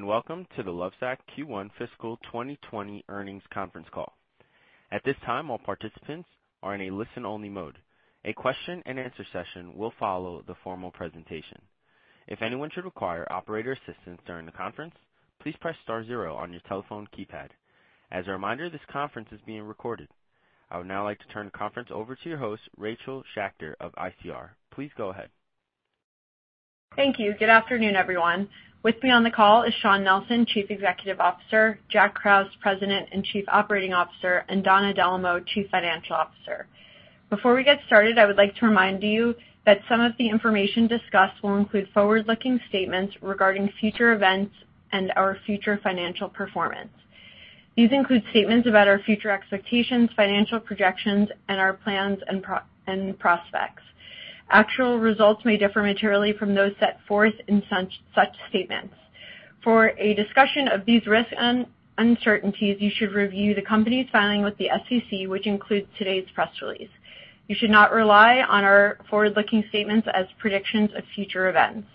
Welcome to The Lovesac Q1 fiscal 2020 earnings conference call. At this time, all participants are in a listen-only mode. A question-and-answer session will follow the formal presentation. If anyone should require operator assistance during the conference, please press star zero on your telephone keypad. As a reminder, this conference is being recorded. I would now like to turn the conference over to your host, Rachel Schacter of ICR. Please go ahead. Thank you. Good afternoon, everyone. With me on the call is Shawn Nelson, Chief Executive Officer, Jack Krause, President and Chief Operating Officer, and Donna Dellomo, Chief Financial Officer. Before we get started, I would like to remind you that some of the information discussed will include forward-looking statements regarding future events and our future financial performance. These include statements about our future expectations, financial projections, and our plans and prospects. Actual results may differ materially from those set forth in such statements. For a discussion of these risks and uncertainties, you should review the company's filing with the SEC, which includes today's press release. You should not rely on our forward-looking statements as predictions of future events.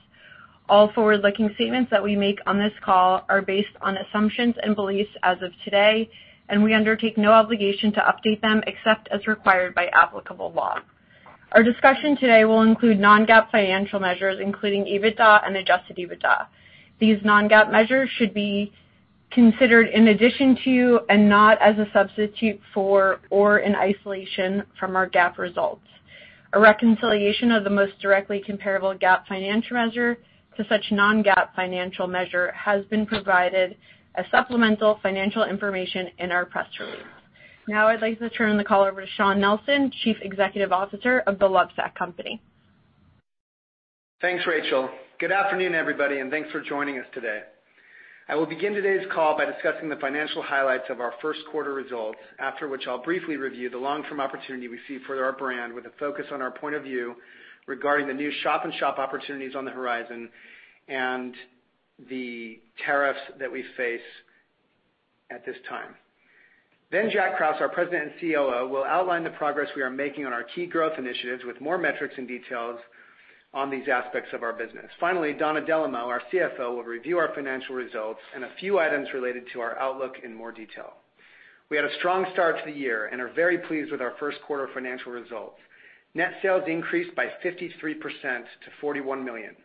All forward-looking statements that we make on this call are based on assumptions and beliefs as of today, and we undertake no obligation to update them except as required by applicable law. Our discussion today will include non-GAAP financial measures, including EBITDA and adjusted EBITDA. These non-GAAP measures should be considered in addition to and not as a substitute for or in isolation from our GAAP results. A reconciliation of the most directly comparable GAAP financial measure to such non-GAAP financial measure has been provided as supplemental financial information in our press release. Now I'd like to turn the call over to Shawn Nelson, Chief Executive Officer of The Lovesac Company. Thanks, Rachel. Good afternoon, everybody, and thanks for joining us today. I will begin today's call by discussing the financial highlights of our first quarter results, after which I'll briefly review the long-term opportunity we see for our brand with a focus on our point of view regarding the new shop-in-shop opportunities on the horizon and the tariffs that we face at this time. Jack Krause, our President and COO, will outline the progress we are making on our key growth initiatives with more metrics and details on these aspects of our business. Donna Dellomo, our CFO, will review our financial results and a few items related to our outlook in more detail. We had a strong start to the year and are very pleased with our first quarter financial results. Net sales increased by 53% to $41 million.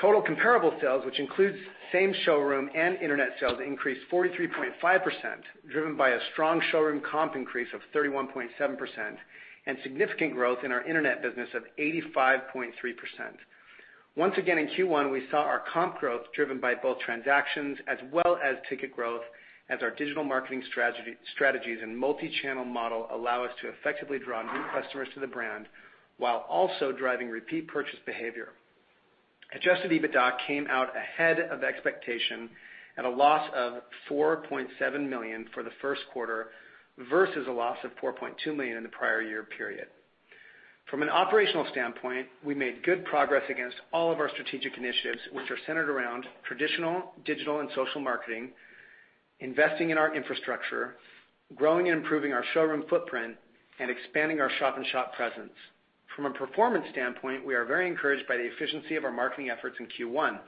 Total comparable sales, which includes same showroom and internet sales, increased 43.5%, driven by a strong showroom comp increase of 31.7% and significant growth in our internet business of 85.3%. Once again, in Q1, we saw our comp growth driven by both transactions as well as ticket growth as our digital marketing strategies and multi-channel model allow us to effectively draw new customers to the brand while also driving repeat purchase behavior. Adjusted EBITDA came out ahead of expectation at a loss of $4.7 million for the first quarter versus a loss of $4.2 million in the prior year period. From an operational standpoint, we made good progress against all of our strategic initiatives, which are centered around traditional digital and social marketing, investing in our infrastructure, growing and improving our showroom footprint, and expanding our shop-in-shop presence. From a performance standpoint, we are very encouraged by the efficiency of our marketing efforts in Q1.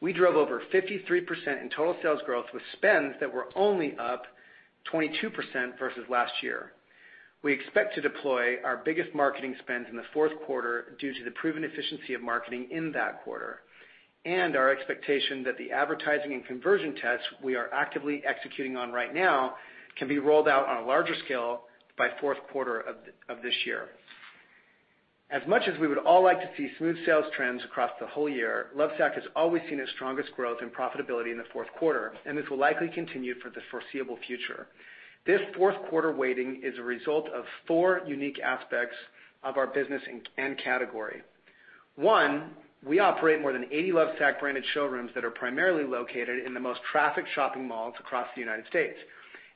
We drove over 53% in total sales growth with spends that were only up 22% versus last year. We expect to deploy our biggest marketing spends in the fourth quarter due to the proven efficiency of marketing in that quarter and our expectation that the advertising and conversion tests we are actively executing on right now can be rolled out on a larger scale by fourth quarter of this year. As much as we would all like to see smooth sales trends across the whole year, Lovesac has always seen its strongest growth and profitability in the fourth quarter, and this will likely continue for the foreseeable future. This fourth quarter weighting is a result of four unique aspects of our business and category. One, we operate more than 80 Lovesac-branded showrooms that are primarily located in the most trafficked shopping malls across the United States.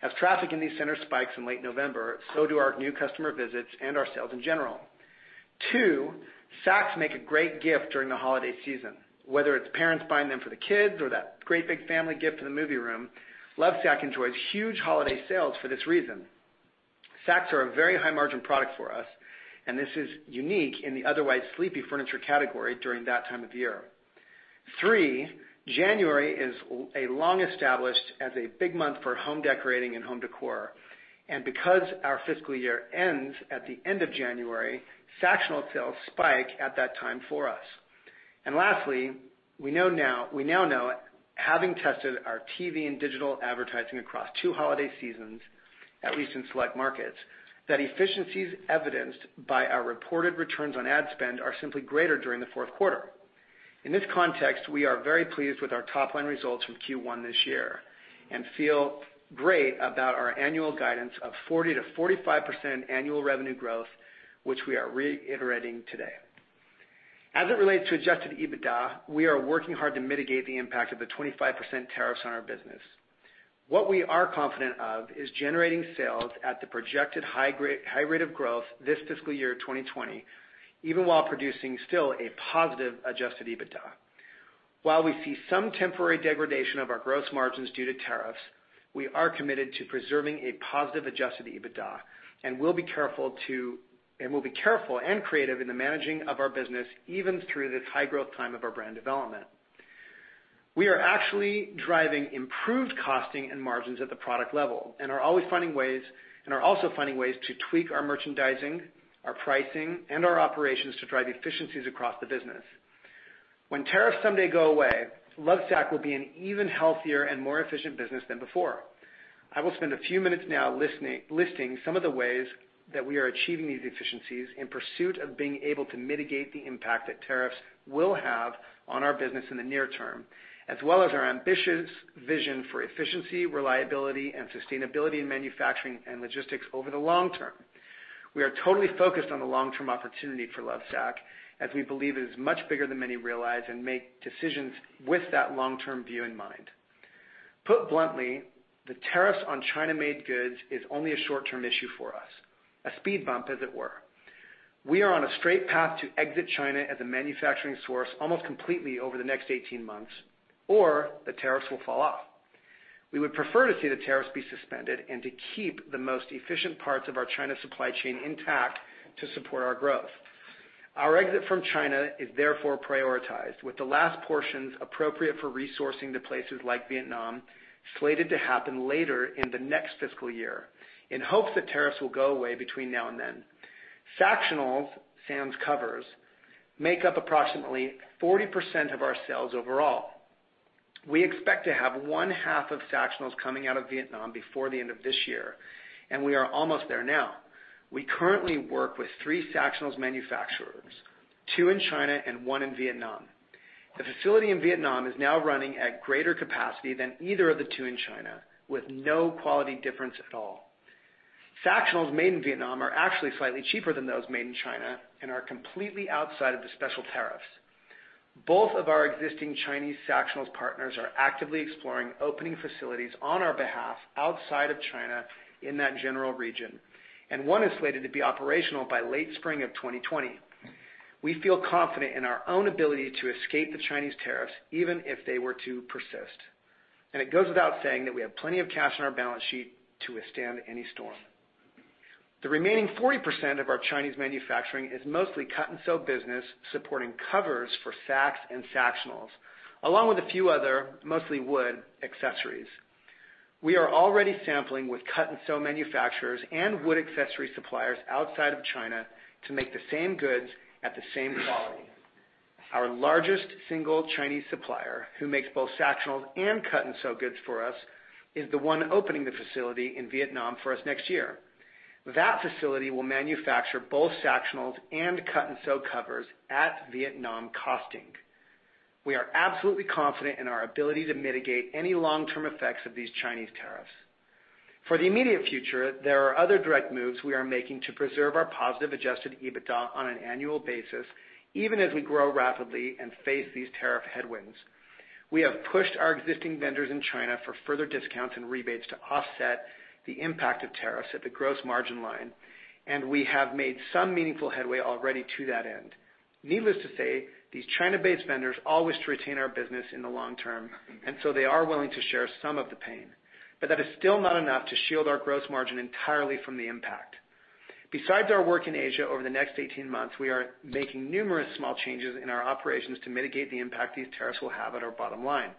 As traffic in these centers spikes in late November, so do our new customer visits and our sales in general. Two, Sacs make a great gift during the holiday season. Whether it's parents buying them for the kids or that great big family gift in the movie room, Lovesac enjoys huge holiday sales for this reason. Sacs are a very high-margin product for us, and this is unique in the otherwise sleepy furniture category during that time of year. Three, January is long established as a big month for home decorating and home decor. Because our fiscal year ends at the end of January, Sactional sales spike at that time for us. Lastly, we now know, having tested our TV and digital advertising across two holiday seasons, at least in select markets, that efficiencies evidenced by our reported returns on ad spend are simply greater during the fourth quarter. In this context, we are very pleased with our top line results from Q1 this year and feel great about our annual guidance of 40%-45% annual revenue growth, which we are reiterating today. As it relates to adjusted EBITDA, we are working hard to mitigate the impact of the 25% tariffs on our business. What we are confident of is generating sales at the projected high rate of growth this fiscal year, 2020, even while producing still a positive adjusted EBITDA. While we see some temporary degradation of our gross margins due to tariffs. We are committed to preserving a positive adjusted EBITDA, and we'll be careful and creative in the managing of our business even through this high-growth time of our brand development. We are actually driving improved costing and margins at the product level and are always finding ways to tweak our merchandising, our pricing, and our operations to drive efficiencies across the business. When tariffs someday go away, Lovesac will be an even healthier and more efficient business than before. I will spend a few minutes now listing some of the ways that we are achieving these efficiencies in pursuit of being able to mitigate the impact that tariffs will have on our business in the near term, as well as our ambitious vision for efficiency, reliability, and sustainability in manufacturing and logistics over the long term. We are totally focused on the long-term opportunity for Lovesac, as we believe it is much bigger than many realize and make decisions with that long-term view in mind. Put bluntly, the tariffs on China-made goods is only a short-term issue for us, a speed bump as it were. We are on a straight path to exit China as a manufacturing source almost completely over the next 18 months, or the tariffs will fall off. We would prefer to see the tariffs be suspended and to keep the most efficient parts of our China supply chain intact to support our growth. Our exit from China is therefore prioritized, with the last portions appropriate for resourcing to places like Vietnam slated to happen later in the next fiscal year in hopes that tariffs will go away between now and then. Sactionals, sans covers, make up approximately 40% of our sales overall. We expect to have 1/2 of Sactionals coming out of Vietnam before the end of this year, and we are almost there now. We currently work with three Sactionals manufacturers, two in China and one in Vietnam. The facility in Vietnam is now running at greater capacity than either of the two in China with no quality difference at all. Sactionals made in Vietnam are actually slightly cheaper than those made in China and are completely outside of the special tariffs. Both of our existing Chinese Sactionals partners are actively exploring opening facilities on our behalf outside of China in that general region, and one is slated to be operational by late spring of 2020. We feel confident in our own ability to escape the Chinese tariffs even if they were to persist. It goes without saying that we have plenty of cash on our balance sheet to withstand any storm. The remaining 40% of our Chinese manufacturing is mostly cut-and-sew business, supporting covers for Sacs and Sactionals, along with a few other, mostly wood, accessories. We are already sampling with cut-and-sew manufacturers and wood accessory suppliers outside of China to make the same goods at the same quality. Our largest single Chinese supplier, who makes both Sactionals and cut-and-sew goods for us, is the one opening the facility in Vietnam for us next year. That facility will manufacture both Sactionals and cut-and-sew covers at Vietnamese costing. We are absolutely confident in our ability to mitigate any long-term effects of these Chinese tariffs. For the immediate future, there are other direct moves we are making to preserve our positive adjusted EBITDA on an annual basis, even as we grow rapidly and face these tariff headwinds. We have pushed our existing vendors in China for further discounts and rebates to offset the impact of tariffs at the gross margin line, and we have made some meaningful headway already to that end. Needless to say, these China-based vendors always retain our business in the long term, and so they are willing to share some of the pain, but that is still not enough to shield our gross margin entirely from the impact. Besides our work in Asia over the next 18 months, we are making numerous small changes in our operations to mitigate the impact these tariffs will have on our bottom line.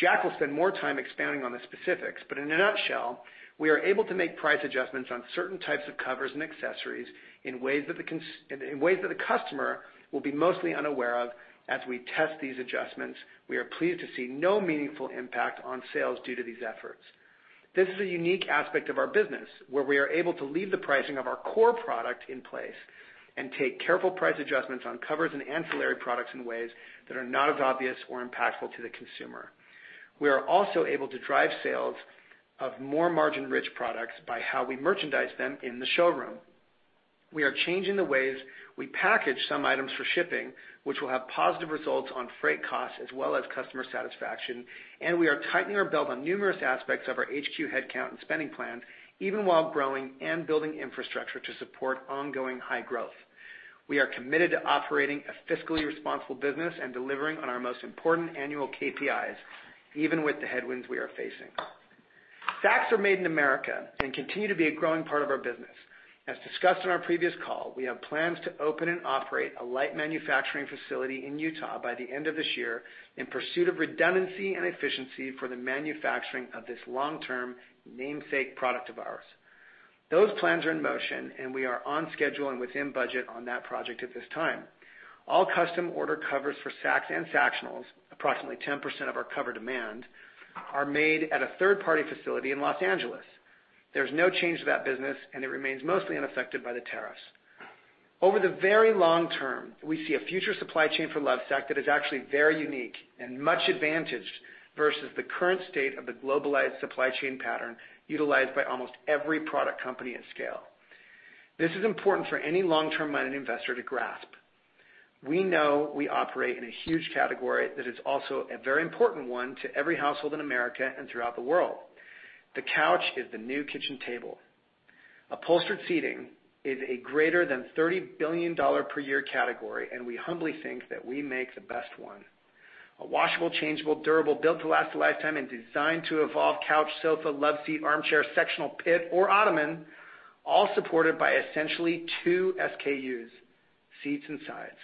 Jack will spend more time expanding on the specifics, but in a nutshell, we are able to make price adjustments on certain types of covers and accessories in ways that the customer will be mostly unaware of as we test these adjustments. We are pleased to see no meaningful impact on sales due to these efforts. This is a unique aspect of our business where we are able to leave the pricing of our core product in place and take careful price adjustments on covers and ancillary products in ways that are not as obvious or impactful to the consumer. We are also able to drive sales of more margin-rich products by how we merchandise them in the showroom. We are changing the ways we package some items for shipping, which will have positive results on freight costs as well as customer satisfaction, and we are tightening our belt on numerous aspects of our HQ headcount and spending plan, even while growing and building infrastructure to support ongoing high growth. We are committed to operating a fiscally responsible business and delivering on our most important annual KPIs, even with the headwinds we are facing. Sacs are made in America and continue to be a growing part of our business. As discussed on our previous call, we have plans to open and operate a light manufacturing facility in Utah by the end of this year in pursuit of redundancy and efficiency for the manufacturing of this long-term namesake product of ours. Those plans are in motion, and we are on schedule and within budget on that project at this time. All custom order covers for Sacs and Sactionals, approximately 10% of our cover demand, are made at a third-party facility in Los Angeles. There's no change to that business, and it remains mostly unaffected by the tariffs. Over the very long term, we see a future supply chain for Lovesac that is actually very unique and much advantaged versus the current state of the globalized supply chain pattern utilized by almost every product company at scale. This is important for any long-term-minded investor to grasp. We know we operate in a huge category that is also a very important one to every household in America and throughout the world. The couch is the new kitchen table. Upholstered seating is a greater than $30 billion per year category, and we humbly think that we make the best one. A washable, changeable, durable, built to last a lifetime, and designed to evolve couch, sofa, love seat, armchair, sectional, pit, or ottoman, all supported by essentially two SKUs, seats and sides.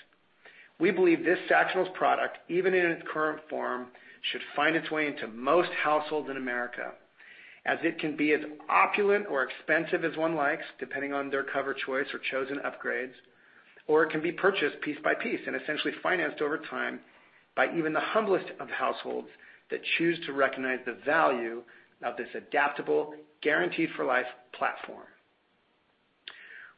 We believe this Sactionals product, even in its current form, should find its way into most households in America, as it can be as opulent or inexpensive as one likes, depending on their cover choice or chosen upgrades, or it can be purchased piece by piece and essentially financed over time by even the humblest of households that choose to recognize the value of this adaptable, guaranteed for life platform.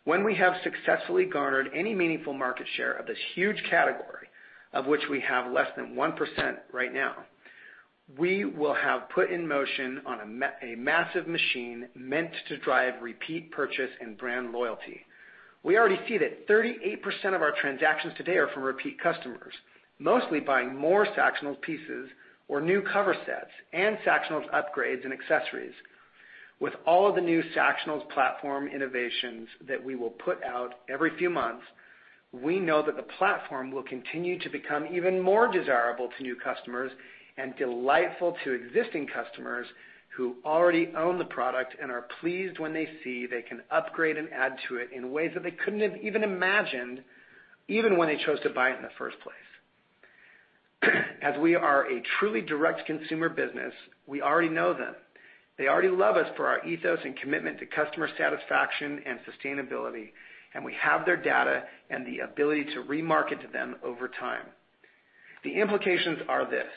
When we have successfully garnered any meaningful market share of this huge category, of which we have less than 1% right now, we will have put in motion a massive machine meant to drive repeat purchase and brand loyalty. We already see that 38% of our transactions today are from repeat customers, mostly buying more Sactionals pieces or new cover sets and Sactionals upgrades and accessories. With all of the new Sactionals platform innovations that we will put out every few months, we know that the platform will continue to become even more desirable to new customers and delightful to existing customers who already own the product and are pleased when they see they can upgrade and add to it in ways that they couldn't have even imagined, even when they chose to buy it in the first place. As we are a truly direct-to-consumer business, we already know them. They already love us for our ethos and commitment to customer satisfaction and sustainability, and we have their data and the ability to remarket to them over time. The implications are this,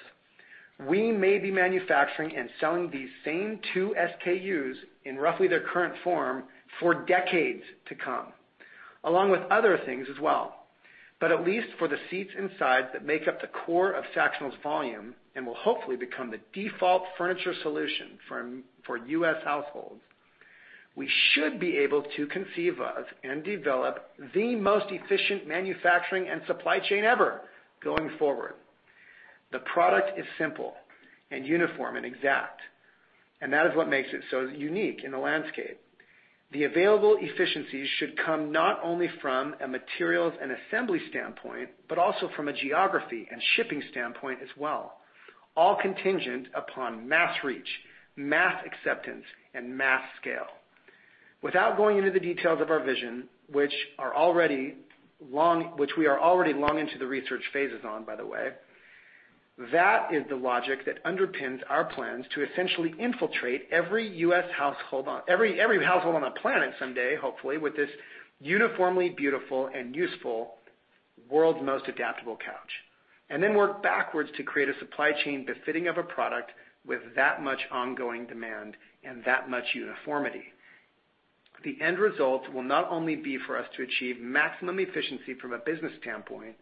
we may be manufacturing and selling these same two SKUs in roughly their current form for decades to come, along with other things as well. At least for the seats inside that make up the core of Sactionals volume and will hopefully become the default furniture solution for U.S. households, we should be able to conceive of and develop the most efficient manufacturing and supply chain ever going forward. The product is simple and uniform and exact, and that is what makes it so unique in the landscape. The available efficiencies should come not only from a materials and assembly standpoint, but also from a geography and shipping standpoint as well, all contingent upon mass reach, mass acceptance, and mass scale. Without going into the details of our vision, which we are already long into the research phases on, by the way, that is the logic that underpins our plans to essentially infiltrate every household on the planet someday, hopefully, with this uniformly beautiful and useful world's most adaptable couch. Work backwards to create a supply chain befitting of a product with that much ongoing demand and that much uniformity. The end result will not only be for us to achieve maximum efficiency from a business standpoint,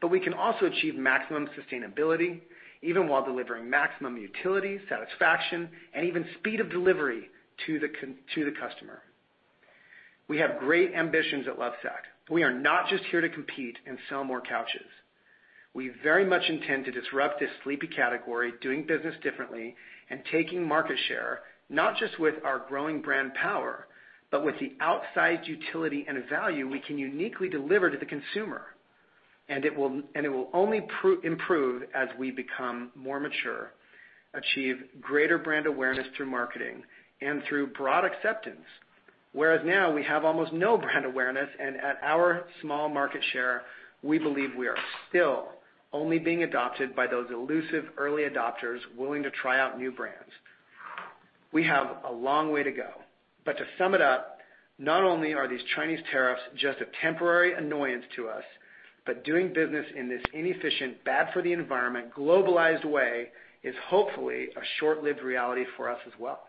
but we can also achieve maximum sustainability even while delivering maximum utility, satisfaction, and even speed of delivery to the customer. We have great ambitions at Lovesac. We are not just here to compete and sell more couches. We very much intend to disrupt this sleepy category, doing business differently and taking market share, not just with our growing brand power, but with the outsized utility and value we can uniquely deliver to the consumer. It will only improve as we become more mature, achieve greater brand awareness through marketing and through broad acceptance. Whereas now we have almost no brand awareness, and at our small market share, we believe we are still only being adopted by those elusive early adopters willing to try out new brands. We have a long way to go. To sum it up, not only are these Chinese tariffs just a temporary annoyance to us, but doing business in this inefficient, bad for the environment, globalized way is hopefully a short-lived reality for us as well.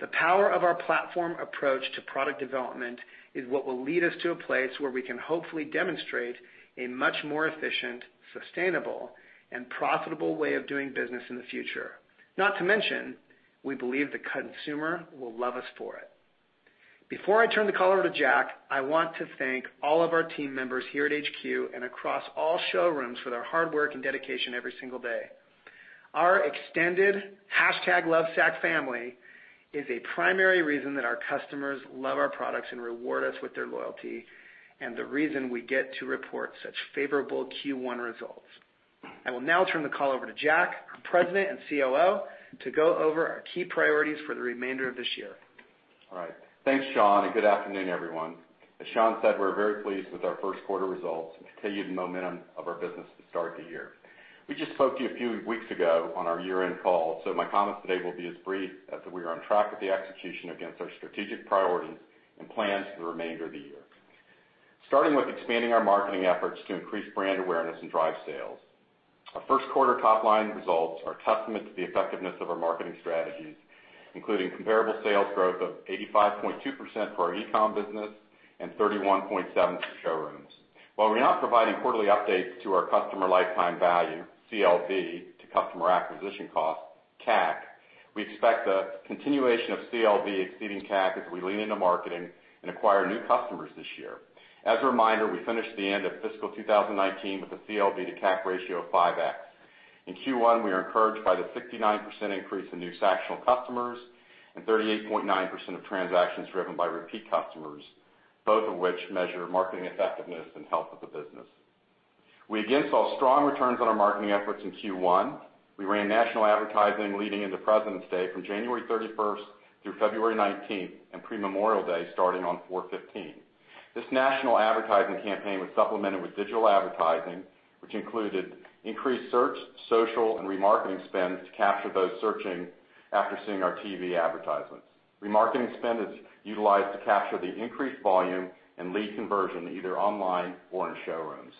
The power of our platform approach to product development is what will lead us to a place where we can hopefully demonstrate a much more efficient, sustainable, and profitable way of doing business in the future. Not to mention, we believe the consumer will love us for it. Before I turn the call over to Jack, I want to thank all of our team members here at HQ and across all showrooms for their hard work and dedication every single day. Our extended #LovesacFamily is a primary reason that our customers love our products and reward us with their loyalty, and the reason we get to report such favorable Q1 results. I will now turn the call over to Jack, our President and COO, to go over our key priorities for the remainder of this year. All right. Thanks, Shawn, and good afternoon, everyone. As Shawn said, we're very pleased with our first quarter results and continued momentum of our business to start the year. We just spoke to you a few weeks ago on our year-end call, so my comments today will be as brief as that we are on track with the execution against our strategic priorities and plans for the remainder of the year. Starting with expanding our marketing efforts to increase brand awareness and drive sales. Our first quarter top-line results are testament to the effectiveness of our marketing strategies, including comparable sales growth of 85.2% for our e-com business and 31.7% for showrooms. While we're not providing quarterly updates to our customer lifetime value, CLV, to customer acquisition cost, CAC, we expect a continuation of CLV exceeding CAC as we lean into marketing and acquire new customers this year. As a reminder, we finished the end of fiscal 2019 with a CLV to CAC ratio of 5x. In Q1, we are encouraged by the 59% increase in new sectional customers and 38.9% of transactions driven by repeat customers, both of which measure marketing effectiveness and health of the business. We again saw strong returns on our marketing efforts in Q1. We ran national advertising leading into President's Day from January 31st through February 19th and pre-Memorial Day starting on 04/15/2019. This national advertising campaign was supplemented with digital advertising, which included increased search, social, and remarketing spend to capture those searching after seeing our TV advertisements. Remarketing spend is utilized to capture the increased volume and lead conversion either online or in showrooms.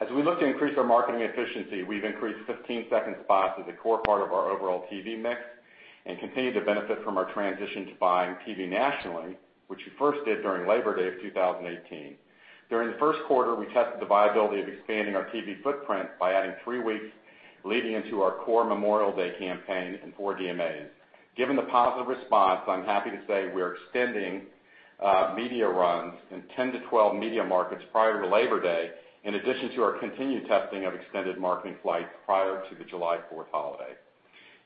As we look to increase our marketing efficiency, we've increased 15-second spots as a core part of our overall TV mix and continue to benefit from our transition to buying TV nationally, which we first did during Labor Day of 2018. During the first quarter, we tested the viability of expanding our TV footprint by adding three weeks leading into our core Memorial Day campaign in four DMAs. Given the positive response, I'm happy to say we are extending media runs in 10-12 media markets prior to Labor Day, in addition to our continued testing of extended marketing flights prior to the July 4th holiday.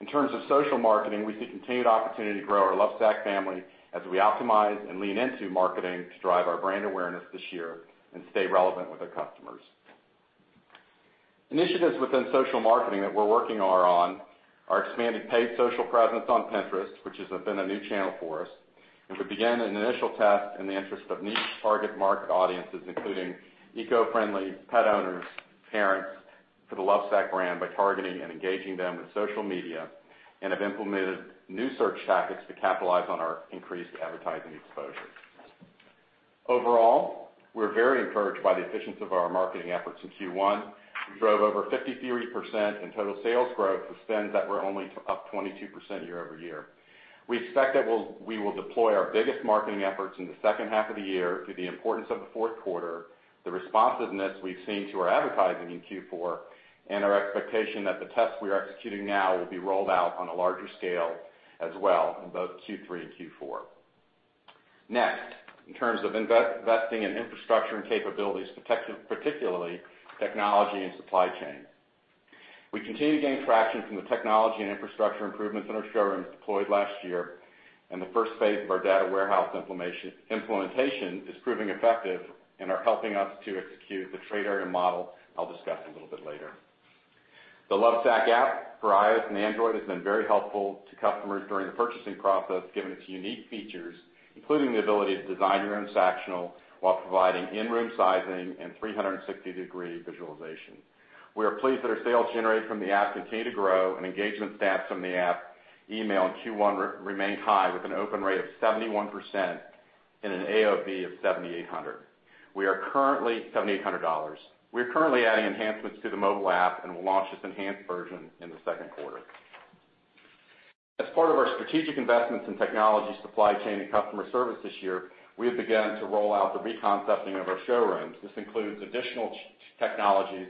In terms of social marketing, we see continued opportunity to grow our Lovesac family as we optimize and lean into marketing to drive our brand awareness this year and stay relevant with our customers. Initiatives within social marketing that we're working on are expanding paid social presence on Pinterest, which has been a new channel for us. We began an initial test in the interest of niche target market audiences, including eco-friendly pet owners, parents for the Lovesac brand by targeting and engaging them with social media, and have implemented new search tactics to capitalize on our increased advertising exposure. Overall, we're very encouraged by the efficiency of our marketing efforts in Q1. We drove over 53% in total sales growth with spends that were only up 22% year-over-year. We expect that we will deploy our biggest marketing efforts in the second half of the year due to the importance of the fourth quarter, the responsiveness we've seen to our advertising in Q4, and our expectation that the tests we are executing now will be rolled out on a larger scale as well in both Q3 and Q4. Next, in terms of investing in infrastructure and capabilities, particularly technology and supply chain. We continue to gain traction from the technology and infrastructure improvements in our showrooms deployed last year, and the first phase of our data warehouse implementation is proving effective and are helping us to execute the trade area model I'll discuss a little bit later. The Lovesac app for iOS and Android has been very helpful to customers during the purchasing process given its unique features, including the ability to design your own sectional while providing in-room sizing and 360-degree visualization. We are pleased that our sales generated from the app continue to grow and engagement stats from the app and email in Q1 remain high with an open rate of 71% and an AOV of $7,800. We are currently adding enhancements to the mobile app and will launch this enhanced version in the second quarter. As part of our strategic investments in technology, supply chain, and customer service this year, we have begun to roll out the re-concepting of our showrooms. This includes additional technologies,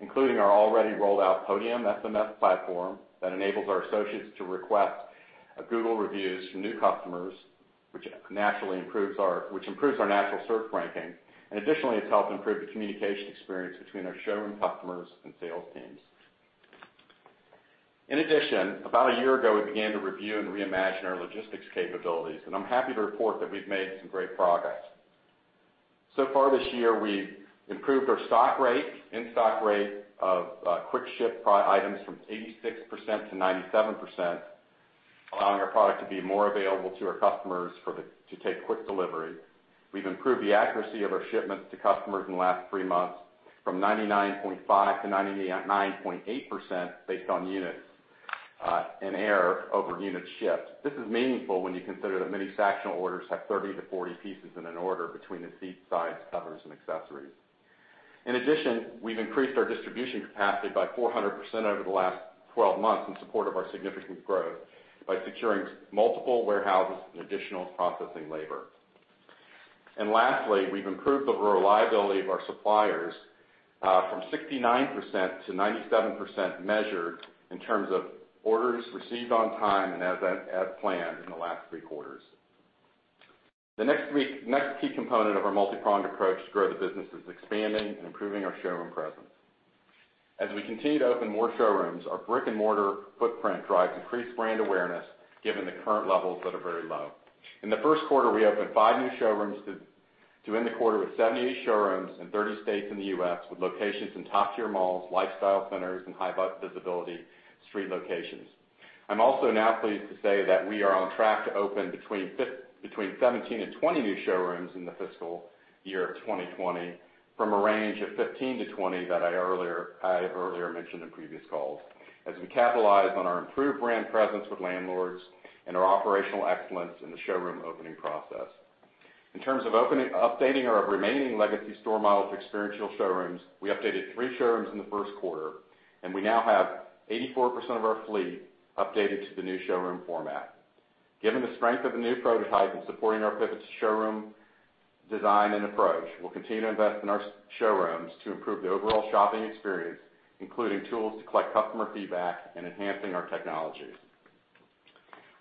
including our already rolled out Podium SMS platform that enables our associates to request Google reviews from new customers, which improves our natural search ranking. Additionally, it's helped improve the communication experience between our showroom customers and sales teams. In addition, about a year ago, we began to review and reimagine our logistics capabilities, and I'm happy to report that we've made some great progress. So far this year, we've improved our in-stock rate of quick ship items from 86% to 97%, allowing our product to be more available to our customers to take quick delivery. We've improved the accuracy of our shipments to customers in the last three months from 99.5% to 99.8% based on units in error over units shipped. This is meaningful when you consider that many sectional orders have 30-40 pieces in an order between the seat size, covers, and accessories. In addition, we've increased our distribution capacity by 400% over the last 12 months in support of our significant growth by securing multiple warehouses and additional processing labor. Lastly, we've improved the reliability of our suppliers from 69% to 97% measured in terms of orders received on time and as planned in the last three quarters. The next key component of our multi-pronged approach to grow the business is expanding and improving our showroom presence. As we continue to open more showrooms, our brick-and-mortar footprint drives increased brand awareness given the current levels that are very low. In the first quarter, we opened five new showrooms to end the quarter with 78 showrooms in 30 states in the U.S., with locations in top-tier malls, lifestyle centers, and high-visibility street locations. I'm also now pleased to say that we are on track to open between 17 and 20 new showrooms in the fiscal year of 2020 from a range of 15-20 that I earlier mentioned in previous calls as we capitalize on our improved brand presence with landlords and our operational excellence in the showroom opening process. In terms of updating our remaining legacy store model to experiential showrooms, we updated three showrooms in the first quarter, and we now have 84% of our fleet updated to the new showroom format. Given the strength of the new prototype in supporting our pivot to showroom design and approach, we'll continue to invest in our showrooms to improve the overall shopping experience, including tools to collect customer feedback and enhancing our technologies.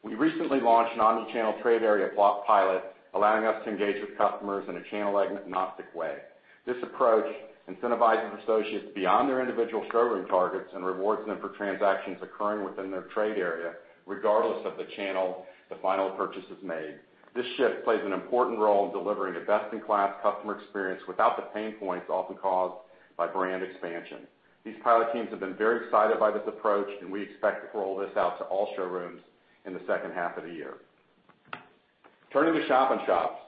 We recently launched an omni-channel trade area block pilot, allowing us to engage with customers in a channel-agnostic way. This approach incentivizes associates beyond their individual showroom targets and rewards them for transactions occurring within their trade area, regardless of the channel the final purchase is made. This shift plays an important role in delivering a best-in-class customer experience without the pain points often caused by brand expansion. These pilot teams have been very excited by this approach, and we expect to roll this out to all showrooms in the second half of the year. Turning to shop-in-shops.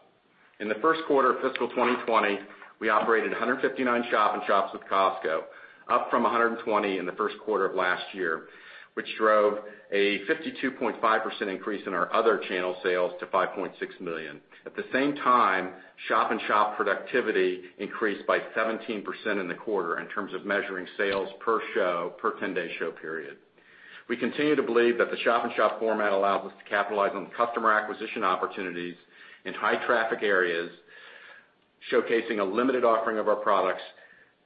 In the first quarter of fiscal 2020, we operated 159 shop-in-shops with Costco, up from 120 in the first quarter of last year, which drove a 52.5% increase in our other channel sales to $5.6 million. At the same time, shop-in-shop productivity increased by 17% in the quarter in terms of measuring sales per show, per 10-day show period. We continue to believe that the shop-in-shop format allows us to capitalize on customer acquisition opportunities in high traffic areas, showcasing a limited offering of our products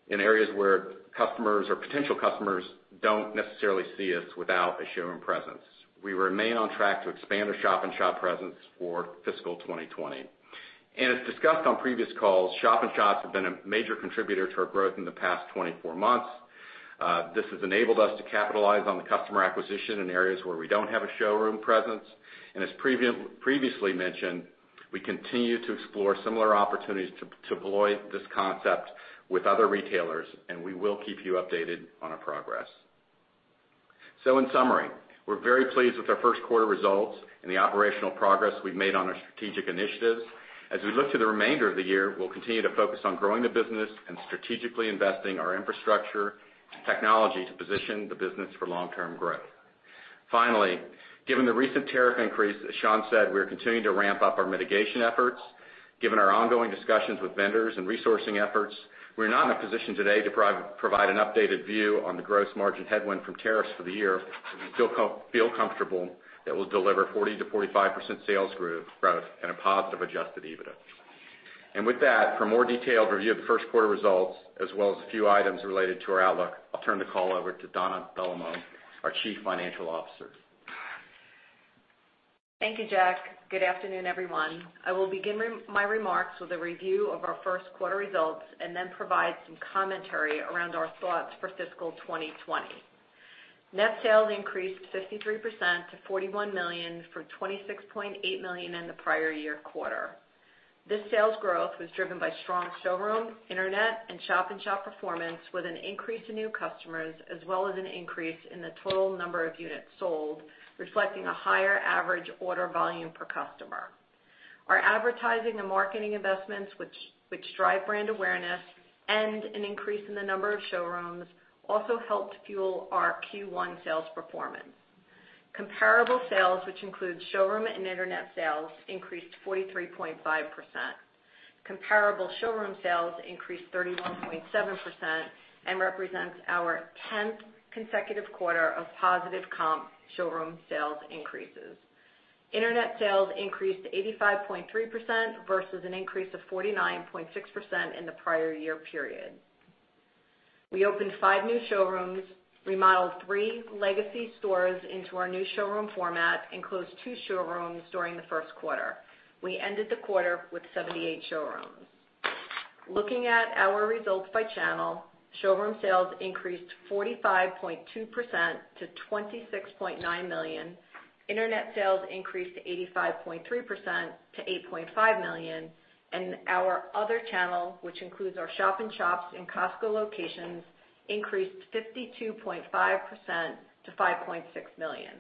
in areas where customers or potential customers don't necessarily see us without a showroom presence. We remain on track to expand our shop-in-shop presence for fiscal 2020. As discussed on previous calls, shop-in-shops have been a major contributor to our growth in the past 24 months. This has enabled us to capitalize on the customer acquisition in areas where we don't have a showroom presence. As previously mentioned, we continue to explore similar opportunities to deploy this concept with other retailers, and we will keep you updated on our progress. In summary, we're very pleased with our first quarter results and the operational progress we've made on our strategic initiatives. As we look to the remainder of the year, we'll continue to focus on growing the business and strategically investing our infrastructure and technology to position the business for long-term growth. Finally, given the recent tariff increase, as Shawn said, we're continuing to ramp up our mitigation efforts. Given our ongoing discussions with vendors and resourcing efforts, we're not in a position today to provide an updated view on the gross margin headwind from tariffs for the year, but we feel comfortable that we'll deliver 40%-45% sales growth and a positive adjusted EBITDA. With that, for a more detailed review of the first quarter results, as well as a few items related to our outlook, I'll turn the call over to Donna Dellomo, our Chief Financial Officer. Thank you, Jack. Good afternoon, everyone. I will begin my remarks with a review of our first quarter results, and then provide some commentary around our thoughts for fiscal 2020. Net sales increased 53% to $41 million from $26.8 million in the prior-year quarter. This sales growth was driven by strong showroom, internet, and shop-in-shop performance with an increase in new customers as well as an increase in the total number of units sold, reflecting a higher average order volume per customer. Our advertising and marketing investments, which drive brand awareness and an increase in the number of showrooms also helped fuel our Q1 sales performance. Comparable sales, which includes showroom and internet sales, increased 43.5%. Comparable showroom sales increased 31.7% and represents our 10th consecutive quarter of positive comp showroom sales increases. Internet sales increased 85.3% versus an increase of 49.6% in the prior year period. We opened five new showrooms, remodeled three legacy stores into our new showroom format, and closed two showrooms during the first quarter. We ended the quarter with 78 showrooms. Looking at our results by channel, showroom sales increased 45.2% to $26.9 million. Internet sales increased 85.3% to $8.5 million. Our other channel, which includes our shop-in-shops and Costco locations, increased 52.5% to $5.6 million.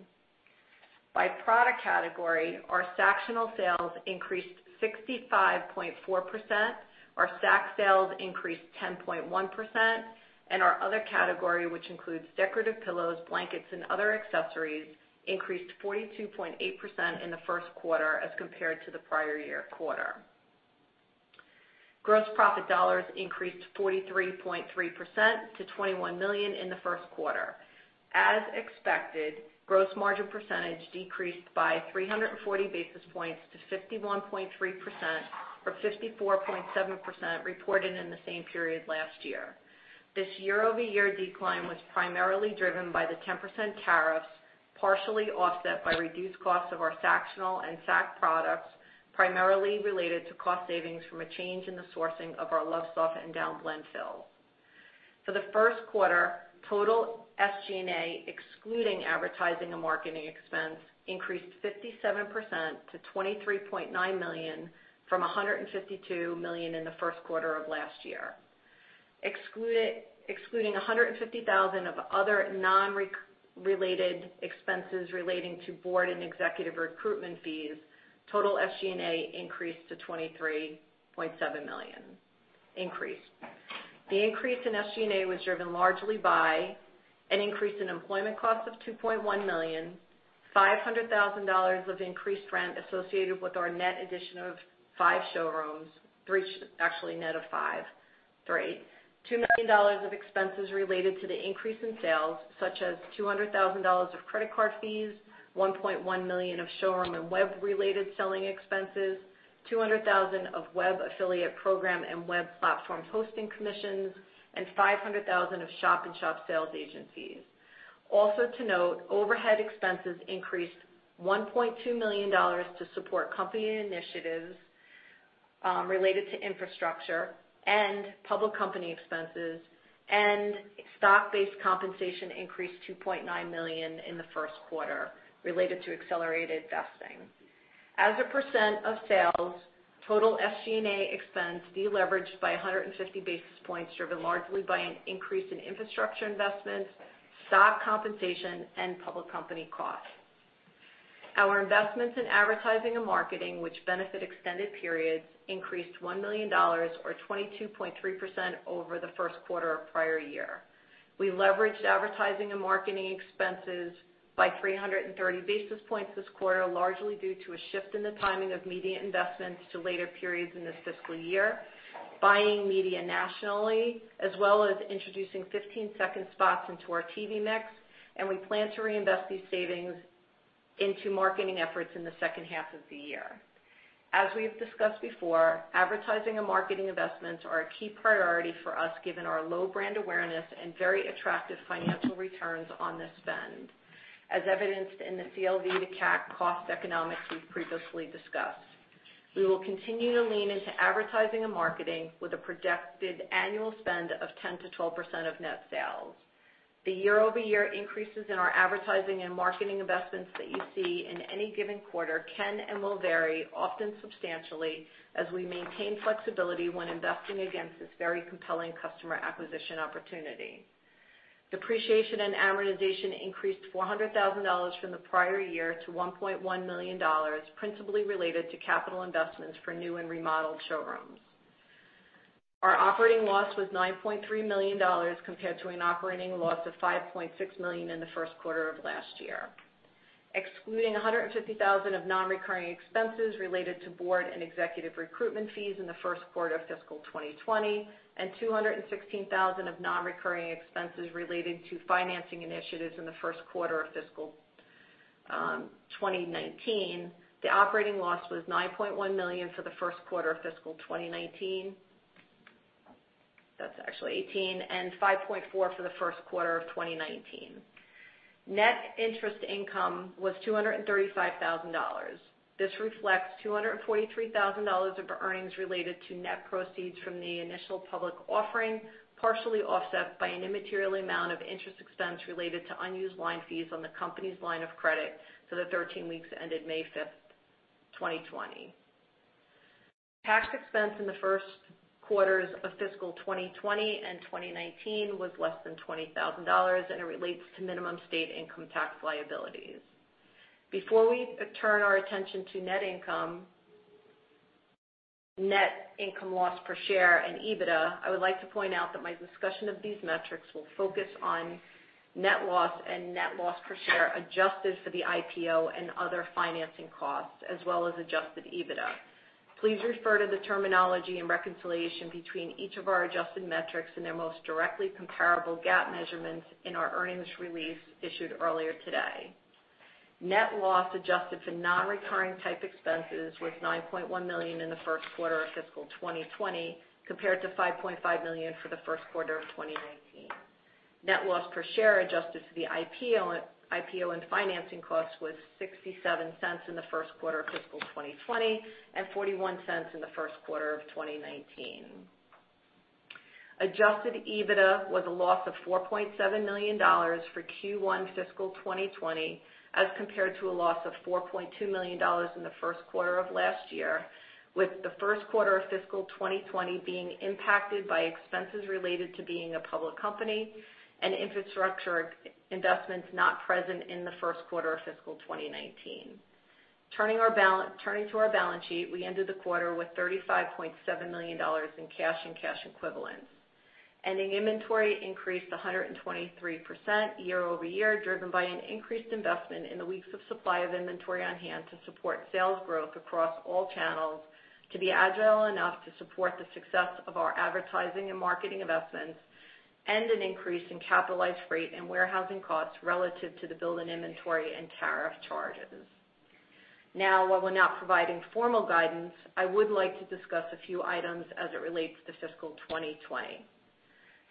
By product category, our Sactionals sales increased 65.4%, our Sacs sales increased 10.1%, and our other category, which includes decorative pillows, blankets, and other accessories, increased 42.8% in the first quarter as compared to the prior-year quarter. Gross profit dollars increased 43.3% to $21 million in the first quarter. As expected, gross margin percentage decreased by 340 basis points to 51.3% from 54.7% reported in the same period last year. This year-over-year decline was primarily driven by the 10% tariffs, partially offset by reduced costs of our Sactional and Sacs products, primarily related to cost savings from a change in the sourcing of our Lovesoft and down blend fill. For the first quarter, total SG&A, excluding advertising and marketing expense, increased 57% to $23.9 million from $152 million in the first quarter of last year. Excluding $150,000 of other non-related expenses relating to Board and executive recruitment fees, total SG&A increased to $23.7 million, increase. The increase in SG&A was driven largely by an increase in employment costs of $2.1 million, $500,000 of increased rent associated with our net addition of five showrooms, which is net of five, three. $2 million of expenses related to the increase in sales, such as $200,000 of credit card fees, $1.1 million of showroom and web-related selling expenses. $200,000 of web affiliate program and web platform hosting commissions, and $500,000 of shop-in-shop sales agent fees. Also to note, overhead expenses increased $1.2 million to support company initiatives, related to infrastructure and public company expenses, and stock-based compensation increased $2.9 million in the first quarter related to accelerated vesting. As a percent of sales, total SG&A expense deleveraged by 150 basis points, driven largely by an increase in infrastructure investments, stock compensation, and public company costs. Our investments in advertising and marketing, which benefit extended periods, increased $1 million or 22.3% over the first quarter of prior year. We leveraged advertising and marketing expenses by 330 basis points this quarter, largely due to a shift in the timing of media investments to later periods in this fiscal year, buying media nationally, as well as introducing 15-second spots into our TV mix, and we plan to reinvest these savings into marketing efforts in the second half of the year. As we've discussed before, advertising and marketing investments are a key priority for us given our low brand awareness and very attractive financial returns on this spend, as evidenced in the CLV to CAC cost economics we've previously discussed. We will continue to lean into advertising and marketing with a projected annual spend of 10%-12% of net sales. The year-over-year increases in our advertising and marketing investments that you see in any given quarter can and will vary, often substantially, as we maintain flexibility when investing against this very compelling customer acquisition opportunity. Depreciation and amortization increased $400,000 from the prior year to $1.1 million, principally related to capital investments for new and remodeled showrooms. Our operating loss was $9.3 million compared to an operating loss of $5.6 million in the first quarter of last year. Excluding $150,000 of non-recurring expenses related to Board and executive recruitment fees in the first quarter of fiscal 2020 and $216,000 of non-recurring expenses related to financing initiatives in the first quarter of fiscal 2019, the operating loss was $9.1 million for the first quarter of fiscal 2019. That's actually 2018 and $5.4 million for the first quarter of 2019. Net interest income was $235,000. This reflects $243,000 of earnings related to net proceeds from the initial public offering, partially offset by an immaterial amount of interest expense related to unused line fees on the company's line of credit for the 13 weeks ended May 5th, 2020. Tax expense in the first quarters of fiscal 2020 and 2019 was less than $20,000, and it relates to minimum state income tax liabilities. Before we turn our attention to net income, net loss per share and EBITDA, I would like to point out that my discussion of these metrics will focus on net loss and net loss per share adjusted for the IPO and other financing costs as well as adjusted EBITDA. Please refer to the terminology and reconciliation between each of our adjusted metrics and their most directly comparable GAAP measurements in our earnings release issued earlier today. Net loss adjusted for non-recurring type expenses was $9.1 million in the first quarter of fiscal 2020 compared to $5.5 million for the first quarter of 2019. Net loss per share adjusted for the IPO and financing costs was $0.67 in the first quarter of fiscal 2020 and $0.41 in the first quarter of 2019. Adjusted EBITDA was a loss of $4.7 million for Q1 fiscal 2020, as compared to a loss of $4.2 million in the first quarter of last year, with the first quarter of fiscal 2020 being impacted by expenses related to being a public company and infrastructure investments not present in the first quarter of fiscal 2019. Turning to our balance sheet, we ended the quarter with $35.7 million in cash and cash equivalents. Ending inventory increased 123% year-over-year, driven by an increased investment in the weeks of supply of inventory on hand to support sales growth across all channels to be agile enough to support the success of our advertising and marketing investments and an increase in capitalized rate and warehousing costs relative to the build in inventory and tariff charges. Now, while we're not providing formal guidance, I would like to discuss a few items as it relates to fiscal 2020.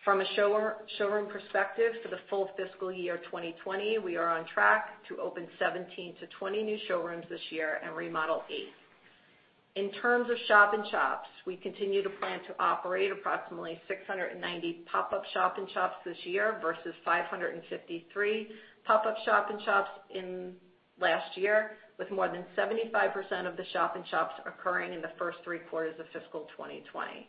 From a showroom perspective for the full fiscal year 2020, we are on track to open 17-20 new showrooms this year and remodel eight. In terms of shop-in-shops, we continue to plan to operate approximately 690 pop-up shop-in-shops this year versus 553 pop-up shop-in-shops in last year, with more than 75% of the shop-in-shops occurring in the first three quarters of fiscal 2020.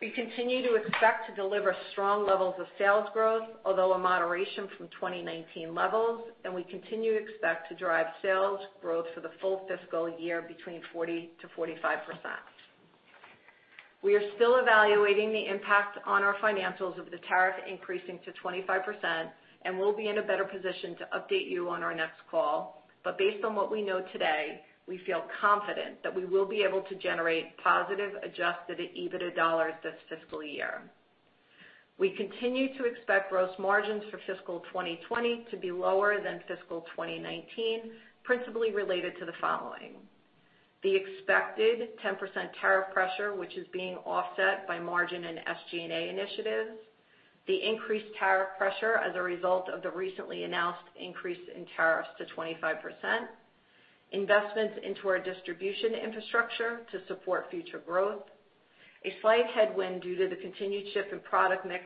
We continue to expect to deliver strong levels of sales growth, although a moderation from 2019 levels, and we continue to expect to drive sales growth for the full fiscal year between 40%-45%. We are still evaluating the impact on our financials of the tariff increasing to 25%, and we'll be in a better position to update you on our next call. Based on what we know today, we feel confident that we will be able to generate positive adjusted EBITDA dollars this fiscal year. We continue to expect gross margins for fiscal 2020 to be lower than fiscal 2019, principally related to the following. The expected 10% tariff pressure, which is being offset by margin and SG&A initiatives, the increased tariff pressure as a result of the recently announced increase in tariffs to 25%, investments into our distribution infrastructure to support future growth, a slight headwind due to the continued shift in product mix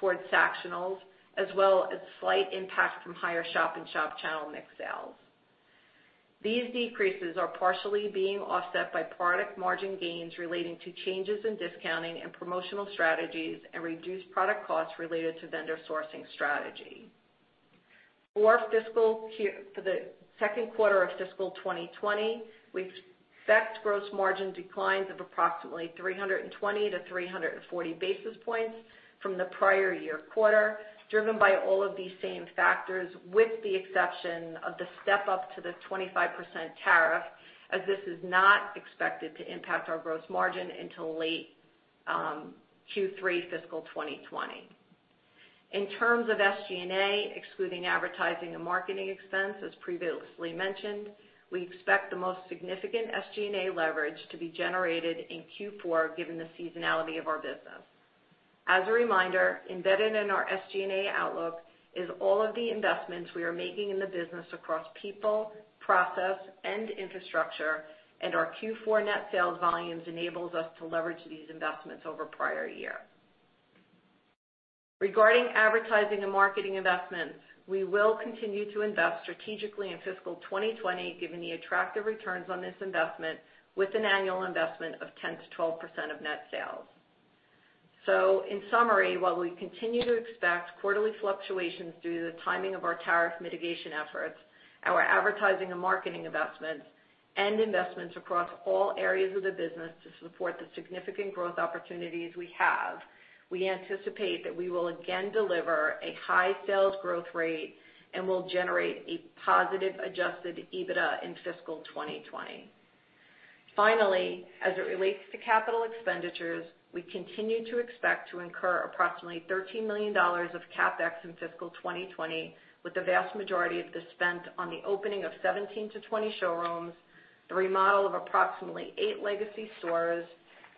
towards Sactionals, as well as slight impact from higher shop-in-shop channel mix sales. These decreases are partially being offset by product margin gains relating to changes in discounting and promotional strategies and reduced product costs related to vendor sourcing strategy. For the second quarter of fiscal 2020, we expect gross margin declines of approximately 320 basis points-340 basis points from the prior-year quarter, driven by all of these same factors, with the exception of the step-up to the 25% tariff as this is not expected to impact our gross margin until late Q3 fiscal 2020. In terms of SG&A, excluding advertising and marketing expense, as previously mentioned, we expect the most significant SG&A leverage to be generated in Q4 given the seasonality of our business. As a reminder, embedded in our SG&A outlook is all of the investments we are making in the business across people, process, and infrastructure, and our Q4 net sales volumes enables us to leverage these investments over prior year. Regarding advertising and marketing investments, we will continue to invest strategically in fiscal 2020 given the attractive returns on this investment with an annual investment of 10%-12% of net sales. In summary, while we continue to expect quarterly fluctuations due to the timing of our tariff mitigation efforts, our advertising and marketing investments and investments across all areas of the business to support the significant growth opportunities we have, we anticipate that we will again deliver a high sales growth rate and will generate a positive adjusted EBITDA in fiscal 2020. Finally, as it relates to capital expenditures, we continue to expect to incur approximately $13 million of CapEx in fiscal 2020, with the vast majority of this spent on the opening of 17-20 showrooms, the remodel of approximately eight legacy stores,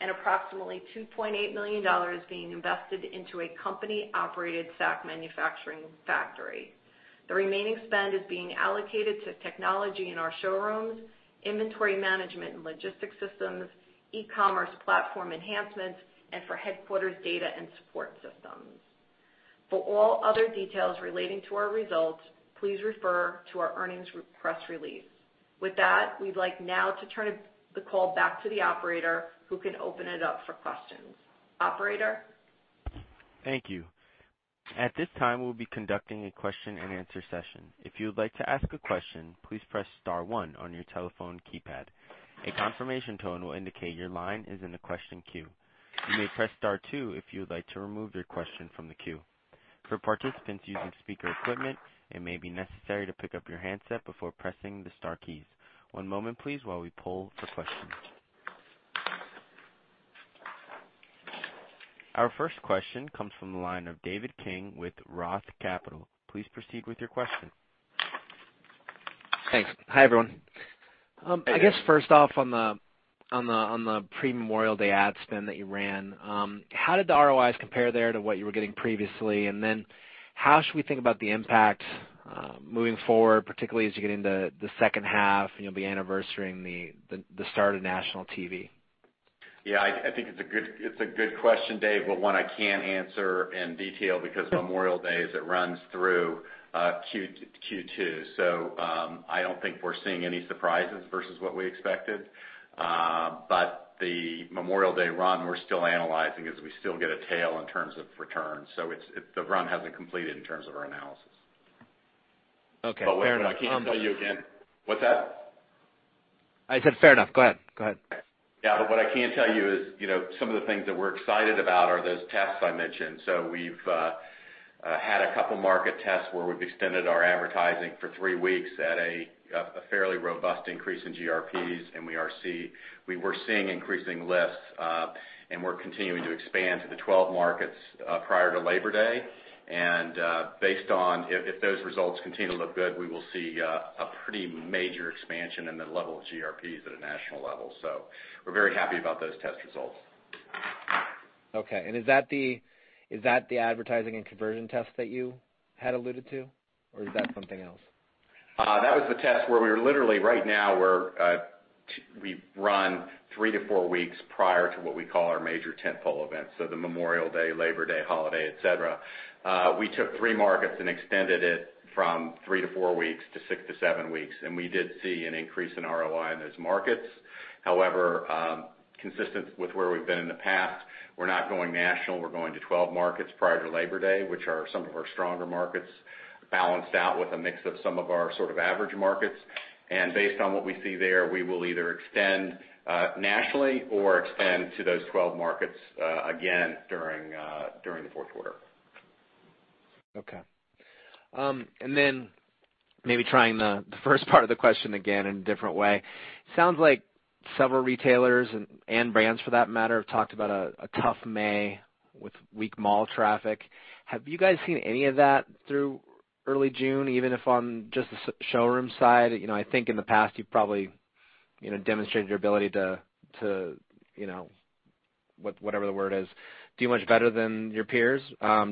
and approximately $2.8 million being invested into a company-operated Sac manufacturing factory. The remaining spend is being allocated to technology in our showrooms, inventory management and logistics systems, e-commerce platform enhancements, and for headquarters data and support systems. For all other details relating to our results, please refer to our earnings press release. With that, we'd like now to turn the call back to the operator who can open it up for questions. Operator? Thank you. At this time, we'll be conducting a question-and-answer session. If you would like to ask a question, please press star one on your telephone keypad. A confirmation tone will indicate your line is in the question queue. You may press star two if you would like to remove your question from the queue. For participants using speaker equipment, it may be necessary to pick up your handset before pressing the star keys. One moment please while we poll for questions. Our first question comes from the line of David King with ROTH Capital. Please proceed with your question. Thanks. Hi, everyone. I guess first off on the pre-Memorial Day ad spend that you ran, how did the ROIs compare there to what you were getting previously? How should we think about the impact, moving forward, particularly as you get into the second half and you'll be anniversarying the start of national TV? Yeah, I think it's a good question, Dave, but one I can't answer in detail because Memorial Day, it runs through Q2. I don't think we're seeing any surprises versus what we expected. The Memorial Day run we're still analyzing as we still get a tail in terms of returns. The run hasn't completed in terms of our analysis. Okay. Fair enough. What I can tell you again. What's that? I said fair enough. Go ahead. Yeah. What I can tell you is, you know, some of the things that we're excited about are those tests I mentioned. We've had a couple market tests where we've extended our advertising for three weeks at a fairly robust increase in GRPs, and we were seeing increasing lifts, and we're continuing to expand to the 12 markets prior to Labor Day. Based on if those results continue to look good, we will see a pretty major expansion in the level of GRPs at a national level. We're very happy about those test results. Okay. Is that the advertising and conversion test that you had alluded to, or is that something else? That was the test where we were literally right now where we've run three to four weeks prior to what we call our major tent pole event. The Memorial Day, Labor Day holiday, et cetera. We took three markets and extended it from three to four weeks to six to seven weeks, and we did see an increase in ROI in those markets. However, consistent with where we've been in the past, we're not going national. We're going to 12 markets prior to Labor Day, which are some of our stronger markets, balanced out with a mix of some of our sort of average markets. Based on what we see there, we will either extend nationally or extend to those 12 markets again during the fourth quarter. Okay. Maybe trying the first part of the question again in a different way. Sounds like several retailers and brands for that matter have talked about a tough May with weak mall traffic. Have you guys seen any of that through early June, even if on just the showroom side? I think in the past, you've probably demonstrated your ability to whatever the word is, do much better than your peers.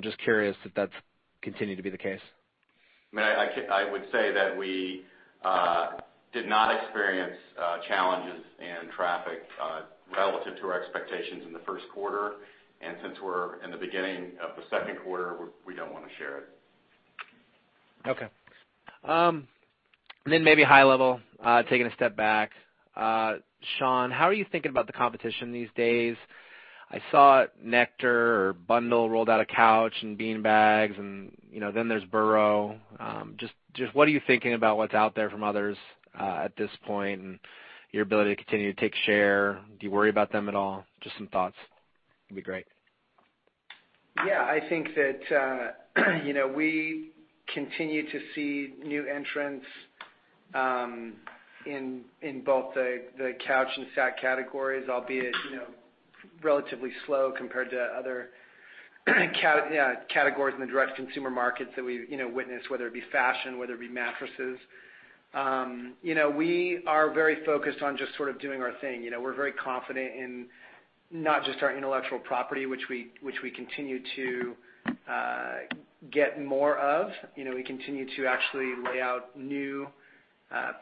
Just curious if that's continued to be the case. I mean, I would say that we did not experience challenges in traffic relative to our expectations in the first quarter. Since we're in the beginning of the second quarter, we don't wanna share it. Okay. Maybe high level, taking a step back. Shawn, how are you thinking about the competition these days? I saw Nectar or Bundle rolled out a couch and beanbags and, you know, then there's Burrow. Just what are you thinking about what's out there from others, at this point and your ability to continue to take share? Do you worry about them at all? Just some thoughts would be great. Yeah. I think that, you know, we continue to see new entrants in both the couch and Sac categories, albeit, you know, relatively slow compared to other categories in the direct-to-consumer markets that we've, you know, witnessed, whether it be fashion, whether it be mattresses. You know, we are very focused on just sort of doing our thing. You know, we're very confident in not just our intellectual property, which we continue to get more of. You know, we continue to actually lay out new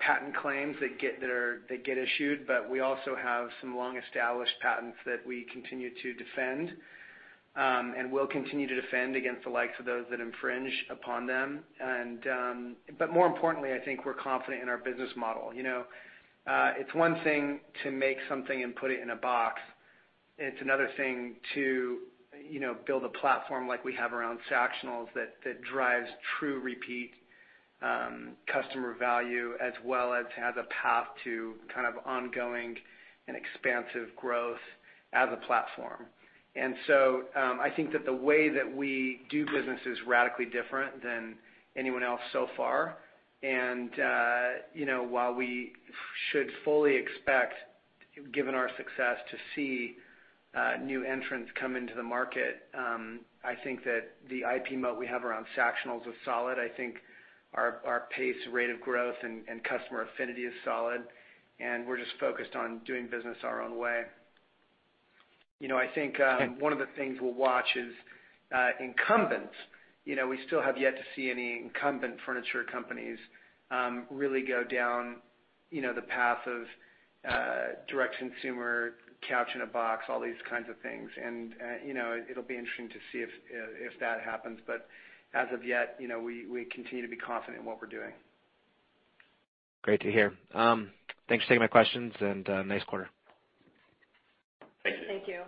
patent claims that get issued, but we also have some long-established patents that we continue to defend, and will continue to defend against the likes of those that infringe upon them. More importantly, I think we're confident in our business model. You know, it's one thing to make something and put it in a box. It's another thing to build a platform like we have around Sactionals that drives true repeat customer value, as well as has a path to kind of ongoing and expansive growth as a platform. I think that the way that we do business is radically different than anyone else so far. You know, while we should fully expect, given our success, to see new entrants come into the market, I think that the IP moat we have around Sactionals are solid. I think our pace and rate of growth and customer affinity is solid, and we're just focused on doing business our own way. You know, I think one of the things we'll watch is incumbents. You know, we still have yet to see any incumbent furniture companies really go down, you know, the path of direct consumer, couch in a box, all these kinds of things. You know, it'll be interesting to see if that happens. As of yet, you know, we continue to be confident in what we're doing. Great to hear. Thanks for taking my questions, and nice quarter. Thank you. Thank you.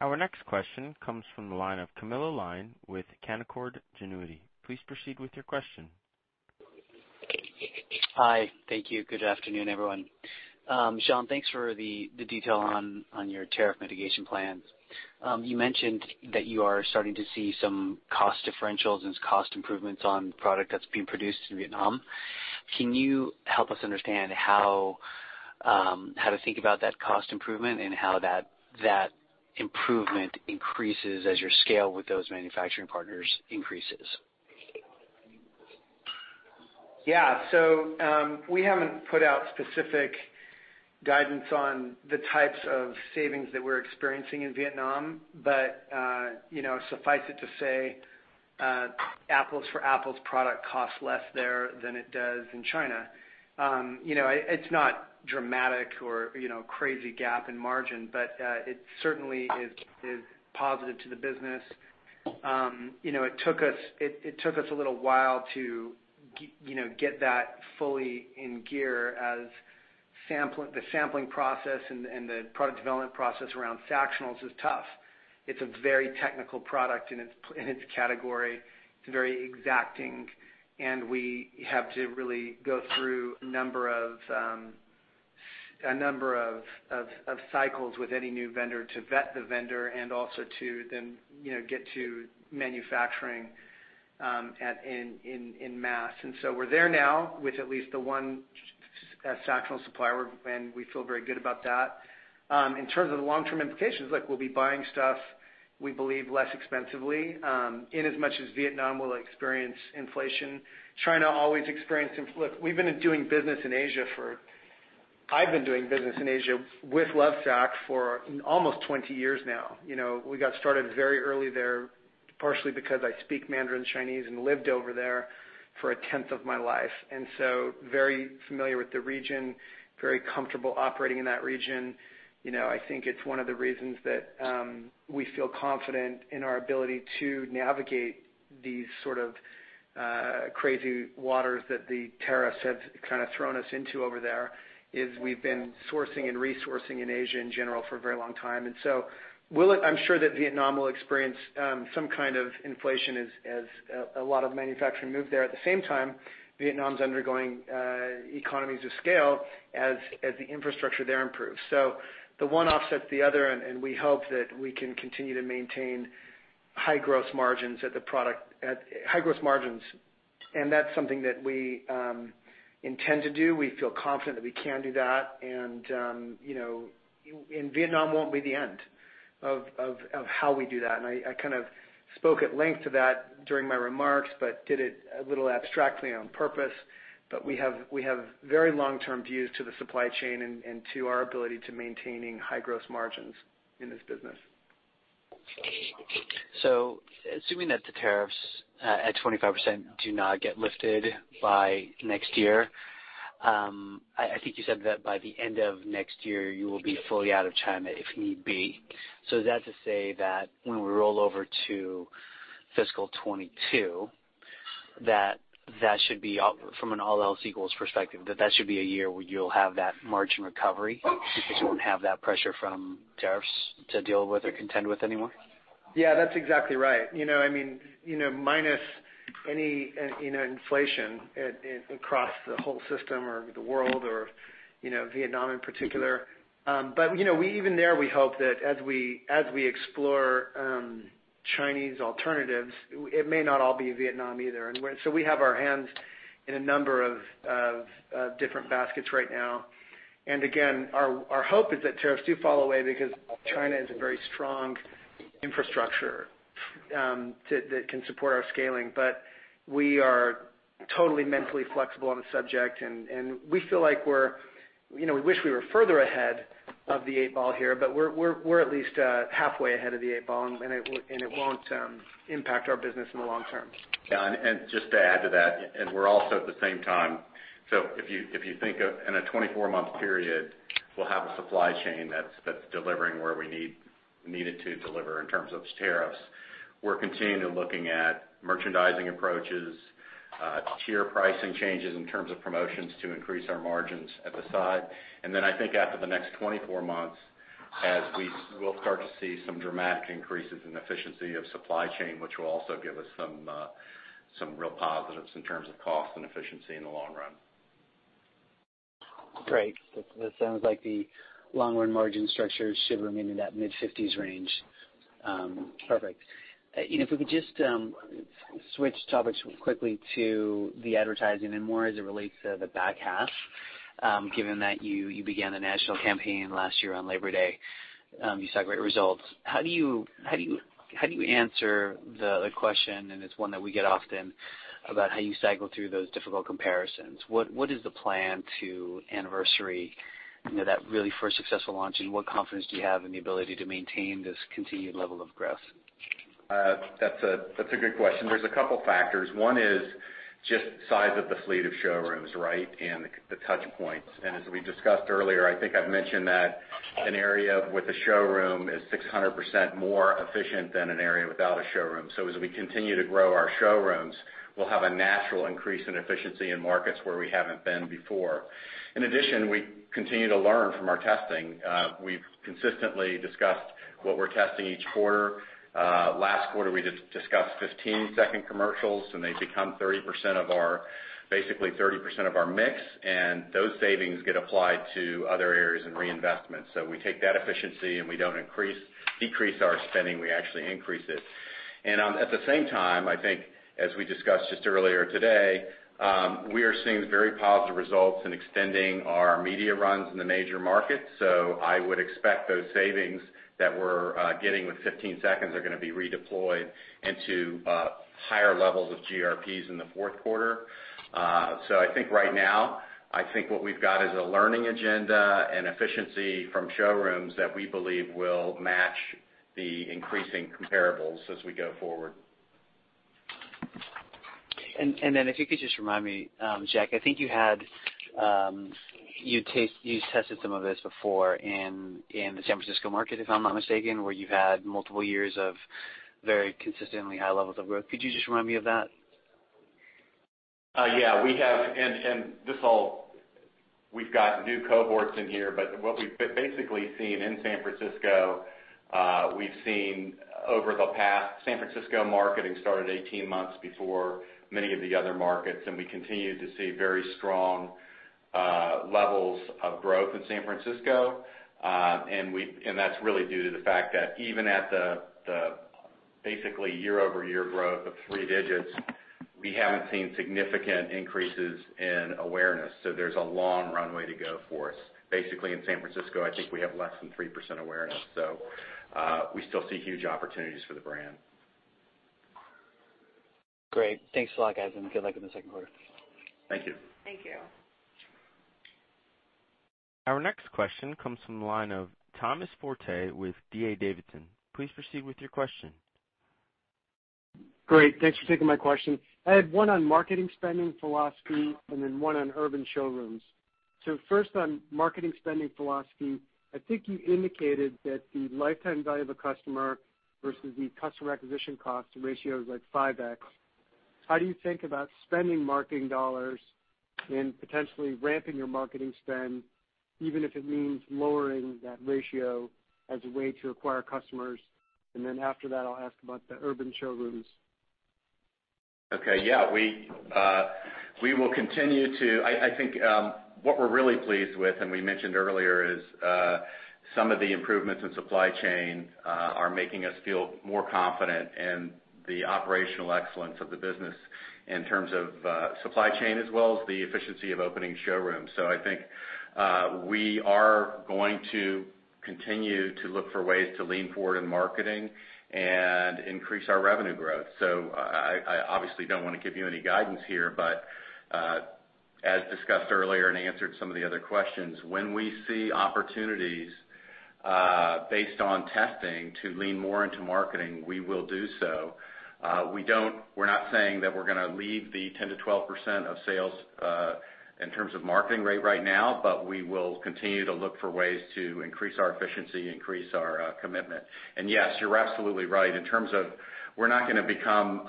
Our next question comes from the line of Camilo Lyon with Canaccord Genuity. Please proceed with your question. Hi. Thank you. Good afternoon, everyone. Shawn, thanks for the detail on your tariff mitigation plans. You mentioned that you are starting to see some cost differentials and cost improvements on product that's being produced in Vietnam. Can you help us understand how to think about that cost improvement and how that improvement increases as your scale with those manufacturing partners increases? Yeah. We haven't put out specific guidance on the types of savings that we're experiencing in Vietnam, but you know, suffice it to say, apples-for-apples product costs less there than it does in China. You know, it's not dramatic or you know, crazy gap in margin, but it certainly is positive to the business. You know, it took us a little while to get that fully in gear as the sampling process and the product development process around Sactionals is tough. It's a very technical product in its category. It's very exacting, and we have to really go through a number of cycles with any new vendor to vet the vendor and also to then, you know, get to manufacturing in mass. We're there now with at least the one Sactionals supplier, and we feel very good about that. In terms of the long-term implications, look, we'll be buying stuff, we believe, less expensively, in as much as Vietnam will experience inflation. China always experienced... We've been doing business in Asia for... I've been doing business in Asia with Lovesac for almost 20 years now. You know, we got started very early there, partially because I speak Mandarin, Chinese and lived over there for a tenth of my life, and so very familiar with the region, very comfortable operating in that region. You know, I think it's one of the reasons that we feel confident in our ability to navigate these sort of crazy waters that the tariffs have kinda thrown us into over there, is we've been sourcing and resourcing in Asia in general for a very long time. I'm sure that Vietnam will experience some kind of inflation as a lot of manufacturing move there. At the same time, Vietnam's undergoing economies of scale as the infrastructure there improves. So the one offsets the other, and we hope that we can continue to maintain high growth margins. That's something that we intend to do. We feel confident that we can do that. You know, Vietnam won't be the end of how we do that. I kind of spoke at length to that during my remarks, but did it a little abstractly on purpose. We have very long-term views to the supply chain and to our ability to maintaining high gross margins in this business. Assuming that the tariffs at 25% do not get lifted by next year, I think you said that by the end of next year, you will be fully out of China if need be. Is that to say that when we roll over to fiscal 2022, that from an all else equal perspective, that should be a year where you'll have that margin recovery because you won't have that pressure from tariffs to deal with or contend with anymore? Yeah, that's exactly right. You know, I mean, you know, minus any, you know, inflation across the whole system or the world or, you know, Vietnam in particular. But, you know, we even there, we hope that as we explore Chinese alternatives, it may not all be Vietnam either. We have our hands in a number of different baskets right now. Again, our hope is that tariffs do fall away because China is a very strong infrastructure that can support our scaling. We are totally mentally flexible on the subject and we feel like we're, you know, we wish we were further ahead of the eight ball here, but we're at least halfway ahead of the eight ball, and it won't impact our business in the long term. Yeah. Just to add to that, we're also at the same time. If you think of in a 24-month period, we'll have a supply chain that's delivering where we needed to deliver in terms of tariffs. We're continuing looking at merchandising approaches, tier pricing changes in terms of promotions to increase our margins at the side. I think after the next 24 months, as we will start to see some dramatic increases in efficiency of supply chain, which will also give us some real positives in terms of cost and efficiency in the long run. Great. That sounds like the long run margin structure should remain in that mid-50s range. Perfect. You know, if we could just switch topics quickly to the advertising and more as it relates to the back half, given that you began a national campaign last year on Labor Day, you saw great results. How do you answer the question, and it's one that we get often about how you cycle through those difficult comparisons? What is the plan to anniversary, you know, that really first successful launch? What confidence do you have in the ability to maintain this continued level of growth? That's a good question. There's a couple factors. One is just size of the fleet of showrooms, right? The touch points. As we discussed earlier, I think I've mentioned that an area with a showroom is 600% more efficient than an area without a showroom. As we continue to grow our showrooms, we'll have a natural increase in efficiency in markets where we haven't been before. In addition, we continue to learn from our testing. We've consistently discussed what we're testing each quarter. Last quarter, we discussed 15-second commercials, and they've become 30%, basically 30% of our mix, and those savings get applied to other areas in reinvestment. We take that efficiency, and we don't decrease our spending. We actually increase it. I think as we discussed just earlier today, we are seeing very positive results in extending our media runs in the major markets. I would expect those savings that we're getting with 15 seconds are gonna be redeployed into higher levels of GRPs in the fourth quarter. I think right now what we've got is a learning agenda and efficiency from showrooms that we believe will match the increasing comparables as we go forward. If you could just remind me, Jack, I think you tested some of this before in the San Francisco market, if I'm not mistaken, where you've had multiple years of very consistently high levels of growth. Could you just remind me of that? We've got new cohorts in here, but what we've basically seen in San Francisco... San Francisco marketing started 18 months before many of the other markets, and we continue to see very strong levels of growth in San Francisco. That's really due to the fact that even at the basically year-over-year growth of three digits, we haven't seen significant increases in awareness. There's a long runway to go for us. Basically, in San Francisco, I think we have less than 3% awareness. We still see huge opportunities for the brand. Great. Thanks a lot, guys, and good luck in the second quarter. Thank you. Thank you. Our next question comes from the line of Thomas Forte with D.A. Davidson. Please proceed with your question. Great. Thanks for taking my question. I had one on marketing spending philosophy and then one on urban showrooms. First on marketing spending philosophy. I think you indicated that the lifetime value of a customer versus the customer acquisition cost ratio is like 5x. How do you think about spending marketing dollars and potentially ramping your marketing spend, even if it means lowering that ratio as a way to acquire customers? After that, I'll ask about the urban showrooms. Okay. Yeah. We will continue to... I think what we're really pleased with, and we mentioned earlier, is some of the improvements in supply chain are making us feel more confident in the operational excellence of the business in terms of supply chain as well as the efficiency of opening showrooms. I think we are going to continue to look for ways to lean forward in marketing and increase our revenue growth. I obviously don't wanna give you any guidance here, but as discussed earlier and answered some of the other questions, when we see opportunities based on testing to lean more into marketing, we will do so. We're not saying that we're gonna leave the 10%-12% of sales in terms of marketing rate right now, but we will continue to look for ways to increase our efficiency, increase our commitment. Yes, you're absolutely right. In terms of... We're not gonna become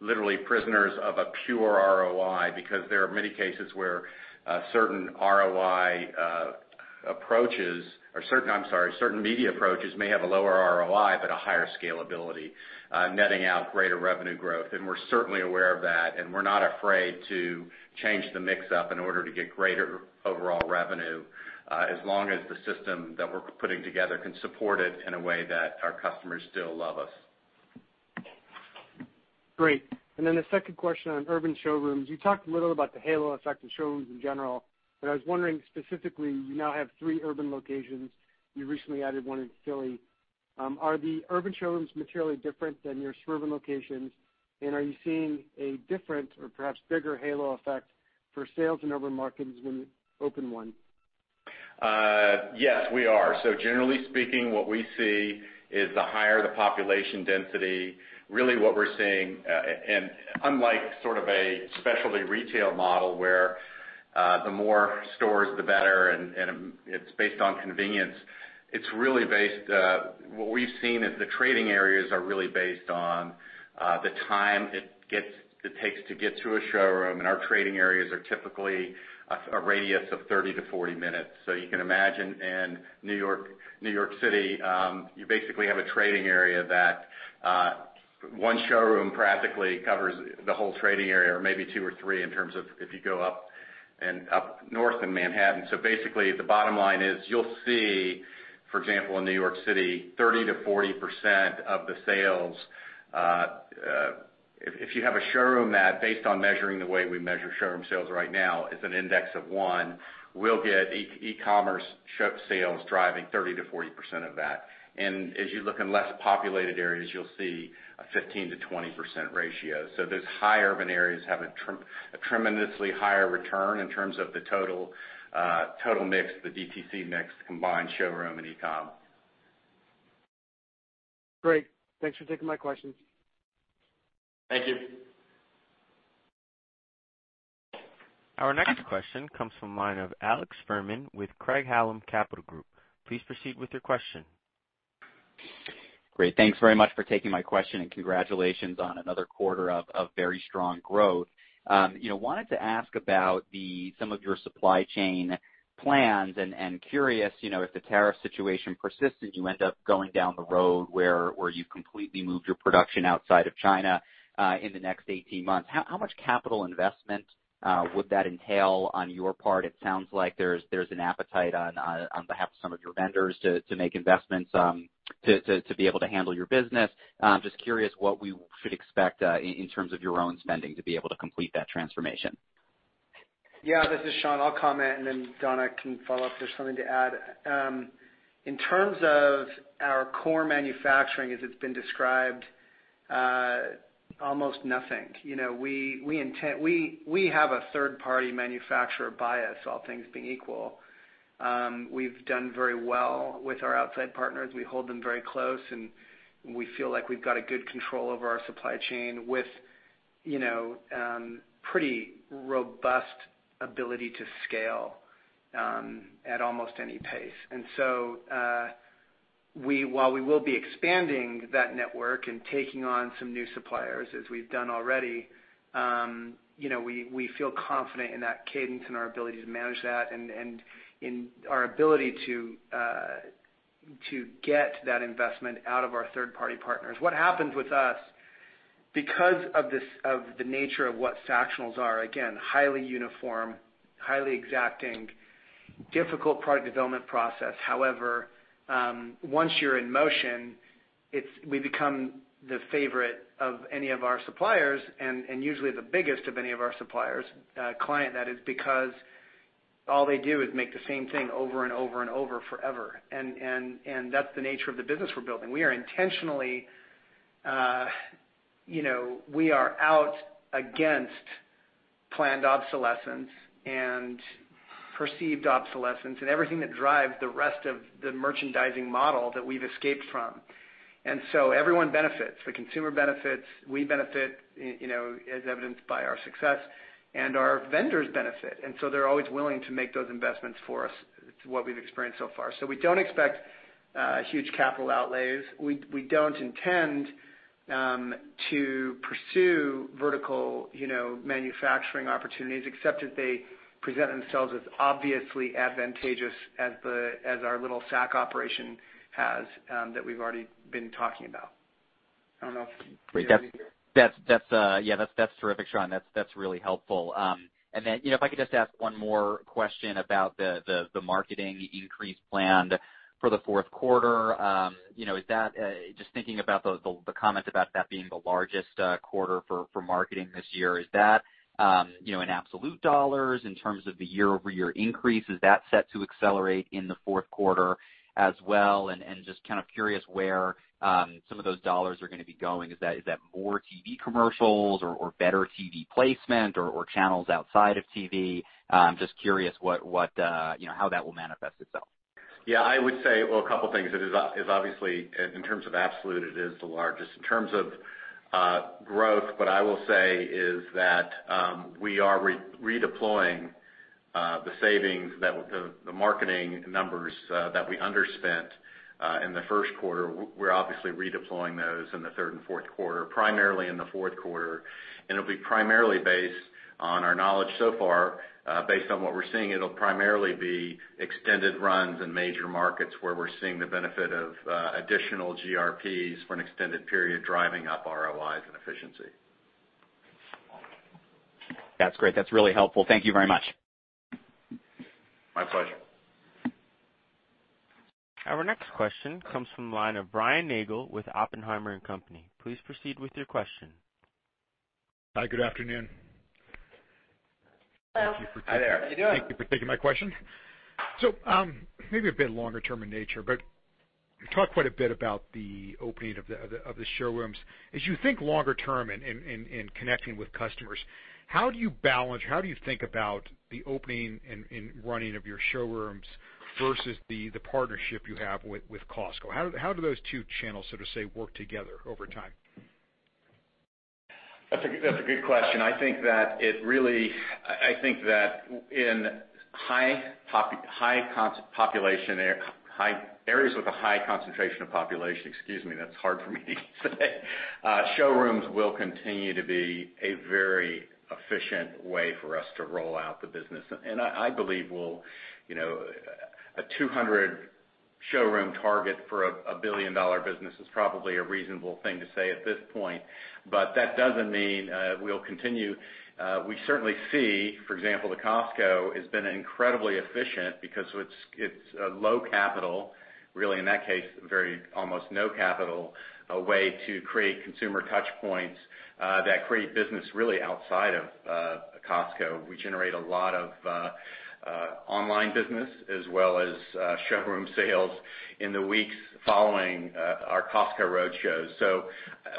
literally prisoners of a pure ROI because there are many cases where certain ROI approaches or certain media approaches may have a lower ROI but a higher scalability, netting out greater revenue growth. We're certainly aware of that, and we're not afraid to change the mix-up in order to get greater overall revenue, as long as the system that we're putting together can support it in a way that our customers still love us. Great. The second question on urban showrooms. You talked a little about the halo effect of showrooms in general, but I was wondering specifically, you now have three urban locations. You recently added one in Philly. Are the urban showrooms materially different than your suburban locations, and are you seeing a different or perhaps bigger halo effect for sales in urban markets when you open one? Yes, we are. Generally speaking, what we see is the higher the population density, really what we're seeing, and unlike sort of a specialty retail model where the more stores the better and it's based on convenience, it's really based what we've seen is the trading areas are really based on the time it takes to get to a showroom, and our trading areas are typically a radius of 30-40 minutes. You can imagine in New York City, you basically have a trading area that one showroom practically covers the whole trading area or maybe two or three in terms of if you go up north in Manhattan. Basically, the bottom line is you'll see, for example, in New York City, 30%-40% of the sales. If you have a showroom that based on measuring the way we measure showroom sales right now is an index of one, we'll get e-commerce show sales driving 30%-40% of that. As you look in less populated areas, you'll see a 15%-20% ratio. Those high urban areas have a tremendously higher return in terms of the total mix, the DTC mix, combined showroom and e-com. Great. Thanks for taking my questions. Thank you. Our next question comes from line of Alex Fuhrman with Craig-Hallum Capital Group. Please proceed with your question. Great. Thanks very much for taking my question, and congratulations on another quarter of very strong growth. You know, wanted to ask about some of your supply chain plans, and curious, you know, if the tariff situation persisted, you end up going down the road where you completely moved your production outside of China in the next 18 months. How much capital investment would that entail on your part? It sounds like there's an appetite on behalf of some of your vendors to make investments to be able to handle your business. Just curious what we should expect in terms of your own spending to be able to complete that transformation. Yeah. This is Shawn. I'll comment, and then Donna can follow up if there's something to add. In terms of our core manufacturing as it's been described, almost nothing. You know, we have a third-party manufacturing bias, all things being equal. We've done very well with our outside partners. We hold them very close, and we feel like we've got a good control over our supply chain with, you know, pretty robust ability to scale, at almost any pace. While we will be expanding that network and taking on some new suppliers as we've done already, you know, we feel confident in that cadence and our ability to manage that and in our ability to get that investment out of our third-party partners. What happens with us, because of this, of the nature of what Sactionals are, again, highly uniform, highly exacting, difficult product development process. However, once you're in motion, it's we become the favorite of any of our suppliers and usually the biggest of any of our suppliers, client, that is, because all they do is make the same thing over and over and over forever. That's the nature of the business we're building. We are intentionally, you know, we are out against planned obsolescence and perceived obsolescence and everything that drives the rest of the merchandising model that we've escaped from. Everyone benefits. The consumer benefits, we benefit, you know, as evidenced by our success, and our vendors benefit, and so they're always willing to make those investments for us, too, what we've experienced so far. We don't expect huge capital outlays. We don't intend to pursue vertical, you know, manufacturing opportunities except if they present themselves as obviously advantageous as our little Sac operation has that we've already been talking about. I don't know if you hear me here. Yeah, that's terrific, Shawn. That's really helpful. And then, you know, if I could just ask one more question about the marketing increase planned for the fourth quarter. You know, is that just thinking about the comment about that being the largest quarter for marketing this year, is that, you know, in absolute dollars in terms of the year-over-year increase, is that set to accelerate in the fourth quarter as well? And just kind of curious where some of those dollars are gonna be going. Is that more TV commercials or better TV placement or channels outside of TV? Just curious what, you know, how that will manifest itself. Yeah, I would say, well, a couple things. It is obviously in terms of absolute, it is the largest. In terms of growth, what I will say is that we are redeploying the savings that the marketing numbers that we underspent in the first quarter. We're obviously redeploying those in the third and fourth quarter. Primarily in the fourth quarter. It'll be primarily based on our knowledge so far, based on what we're seeing, it'll primarily be extended runs in major markets where we're seeing the benefit of additional GRPs for an extended period, driving up ROIs and efficiency. That's great. That's really helpful. Thank you very much. My pleasure. Our next question comes from the line of Brian Nagel with Oppenheimer & Company. Please proceed with your question. Hi, good afternoon. Hello. Hi there. How you doing? Thank you for taking my question. Maybe a bit longer term in nature, but you talked quite a bit about the opening of the showrooms. As you think longer term and connecting with customers, how do you balance, how do you think about the opening and running of your showrooms versus the partnership you have with Costco? How do those two channels, so to say, work together over time? That's a good question. I think that in areas with a high concentration of population, excuse me, that's hard for me to say. Showrooms will continue to be a very efficient way for us to roll out the business. I believe we'll a 200 showroom target for a billion-dollar business is probably a reasonable thing to say at this point. That doesn't mean we'll continue. We certainly see, for example, the Costco has been incredibly efficient because it's low capital, really, in that case, almost no capital way to create consumer touch points that create business really outside of Costco. We generate a lot of online business as well as showroom sales in the weeks following our Costco roadshows.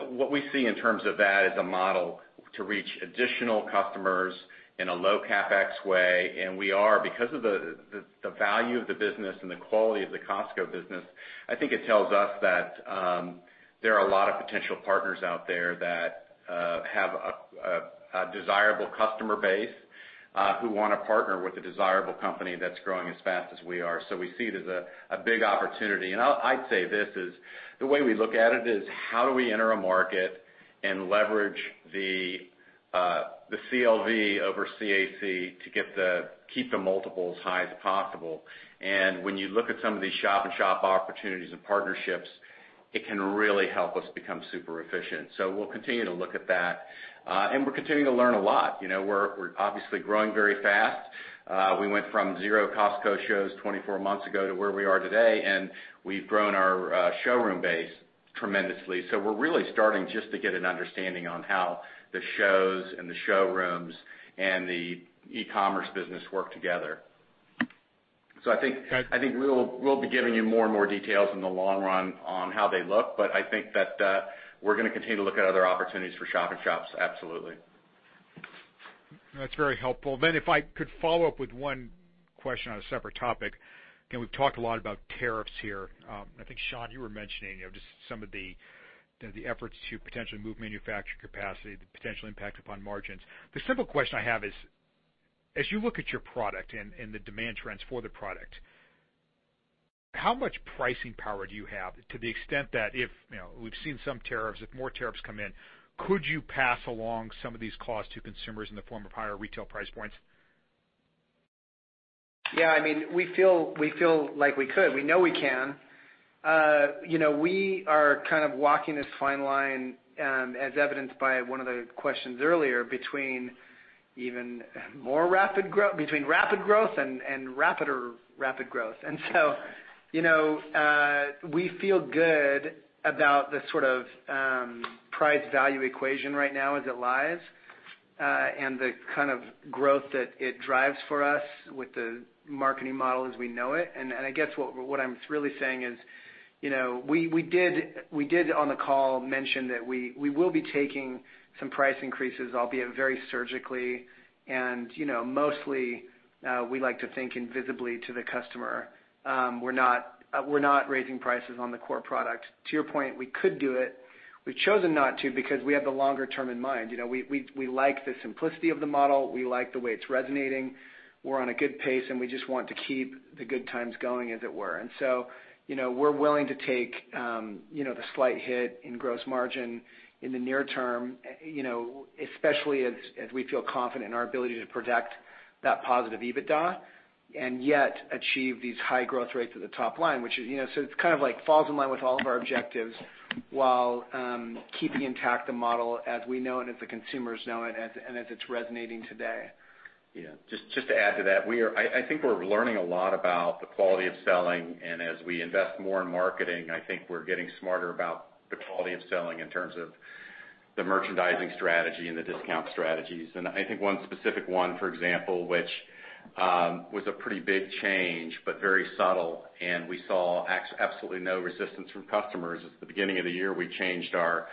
What we see in terms of that is a model to reach additional customers in a low CapEx way, and we are. Because of the value of the business and the quality of the Costco business, I think it tells us that there are a lot of potential partners out there that have a desirable customer base who wanna partner with a desirable company that's growing as fast as we are. We see it as a big opportunity. I'd say this is the way we look at it is how do we enter a market and leverage the CLV over CAC to keep the multiples high as possible. When you look at some of these shop-in-shop opportunities and partnerships, it can really help us become super efficient. We'll continue to look at that, and we're continuing to learn a lot. You know, we're obviously growing very fast. We went from zero Costco shows 24 months ago to where we are today, and we've grown our showroom base tremendously. We're really starting just to get an understanding on how the shows and the showrooms and the e-commerce business work together. I think- Got- I think we'll be giving you more and more details in the long run on how they look, but I think that we're gonna continue to look at other opportunities for shop-in-shops absolutely. That's very helpful. If I could follow up with one question on a separate topic. You know, we've talked a lot about tariffs here. I think, Shawn, you were mentioning, you know, just some of the efforts to potentially move manufacturing capacity, the potential impact upon margins. The simple question I have is, as you look at your product and the demand trends for the product, how much pricing power do you have to the extent that if, you know, we've seen some tariffs. If more tariffs come in, could you pass along some of these costs to consumers in the form of higher retail price points? Yeah. I mean, we feel like we could. We know we can. You know, we are kind of walking this fine line as evidenced by one of the questions earlier between rapid growth and more rapid growth. You know, we feel good about the sort of price value equation right now as it lies and the kind of growth that it drives for us with the marketing model as we know it. I guess what I'm really saying is, you know, we did, on the call, mention that we will be taking some price increases, albeit very surgically. You know, mostly we like to think invisibly to the customer. We're not raising prices on the core product. To your point, we could do it. We've chosen not to because we have the longer term in mind. You know, we like the simplicity of the model. We like the way it's resonating. We're on a good pace, and we just want to keep the good times going, as it were. You know, we're willing to take the slight hit in gross margin in the near term, especially as we feel confident in our ability to protect that positive EBITDA and yet achieve these high growth rates at the top line, which is you know. It falls in line with all of our objectives while keeping intact the model as we know it and as the consumers know it, as it's resonating today. Yeah. Just to add to that, I think we're learning a lot about the quality of selling. As we invest more in marketing, I think we're getting smarter about the quality of selling in terms of the merchandising strategy and the discount strategies. I think one specific one, for example, which was a pretty big change, but very subtle, and we saw absolutely no resistance from customers. At the beginning of the year, we changed our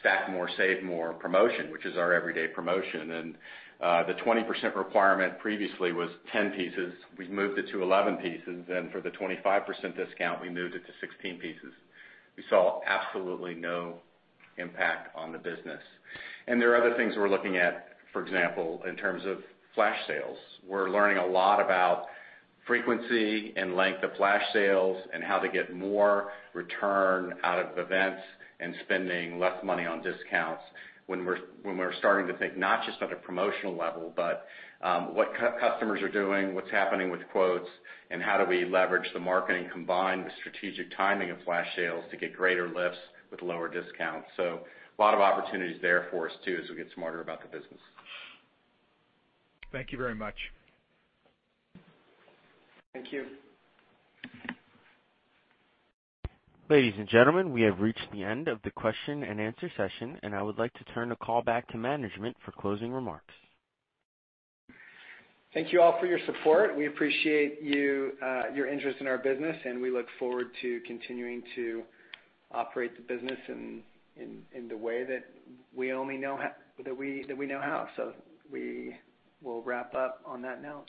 Stack More, Save More promotion, which is our everyday promotion. The 20% requirement previously was 10 pieces. We've moved it to 11 pieces. Then for the 25% discount, we moved it to 16 pieces. We saw absolutely no impact on the business. There are other things we're looking at, for example, in terms of flash sales. We're learning a lot about frequency and length of flash sales and how to get more return out of events and spending less money on discounts when we're starting to think not just at a promotional level, but what customers are doing, what's happening with quotes, and how do we leverage the marketing combined with strategic timing of flash sales to get greater lifts with lower discounts. A lot of opportunities there for us too, as we get smarter about the business. Thank you very much. Thank you. Ladies and gentlemen, we have reached the end of the question-and-answer session, and I would like to turn the call back to management for closing remarks. Thank you all for your support. We appreciate you, your interest in our business, and we look forward to continuing to operate the business in the way that we only know how. We will wrap up on that note.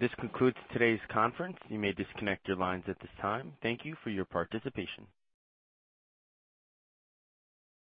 This concludes today's conference. You may disconnect your lines at this time. Thank you for your participation.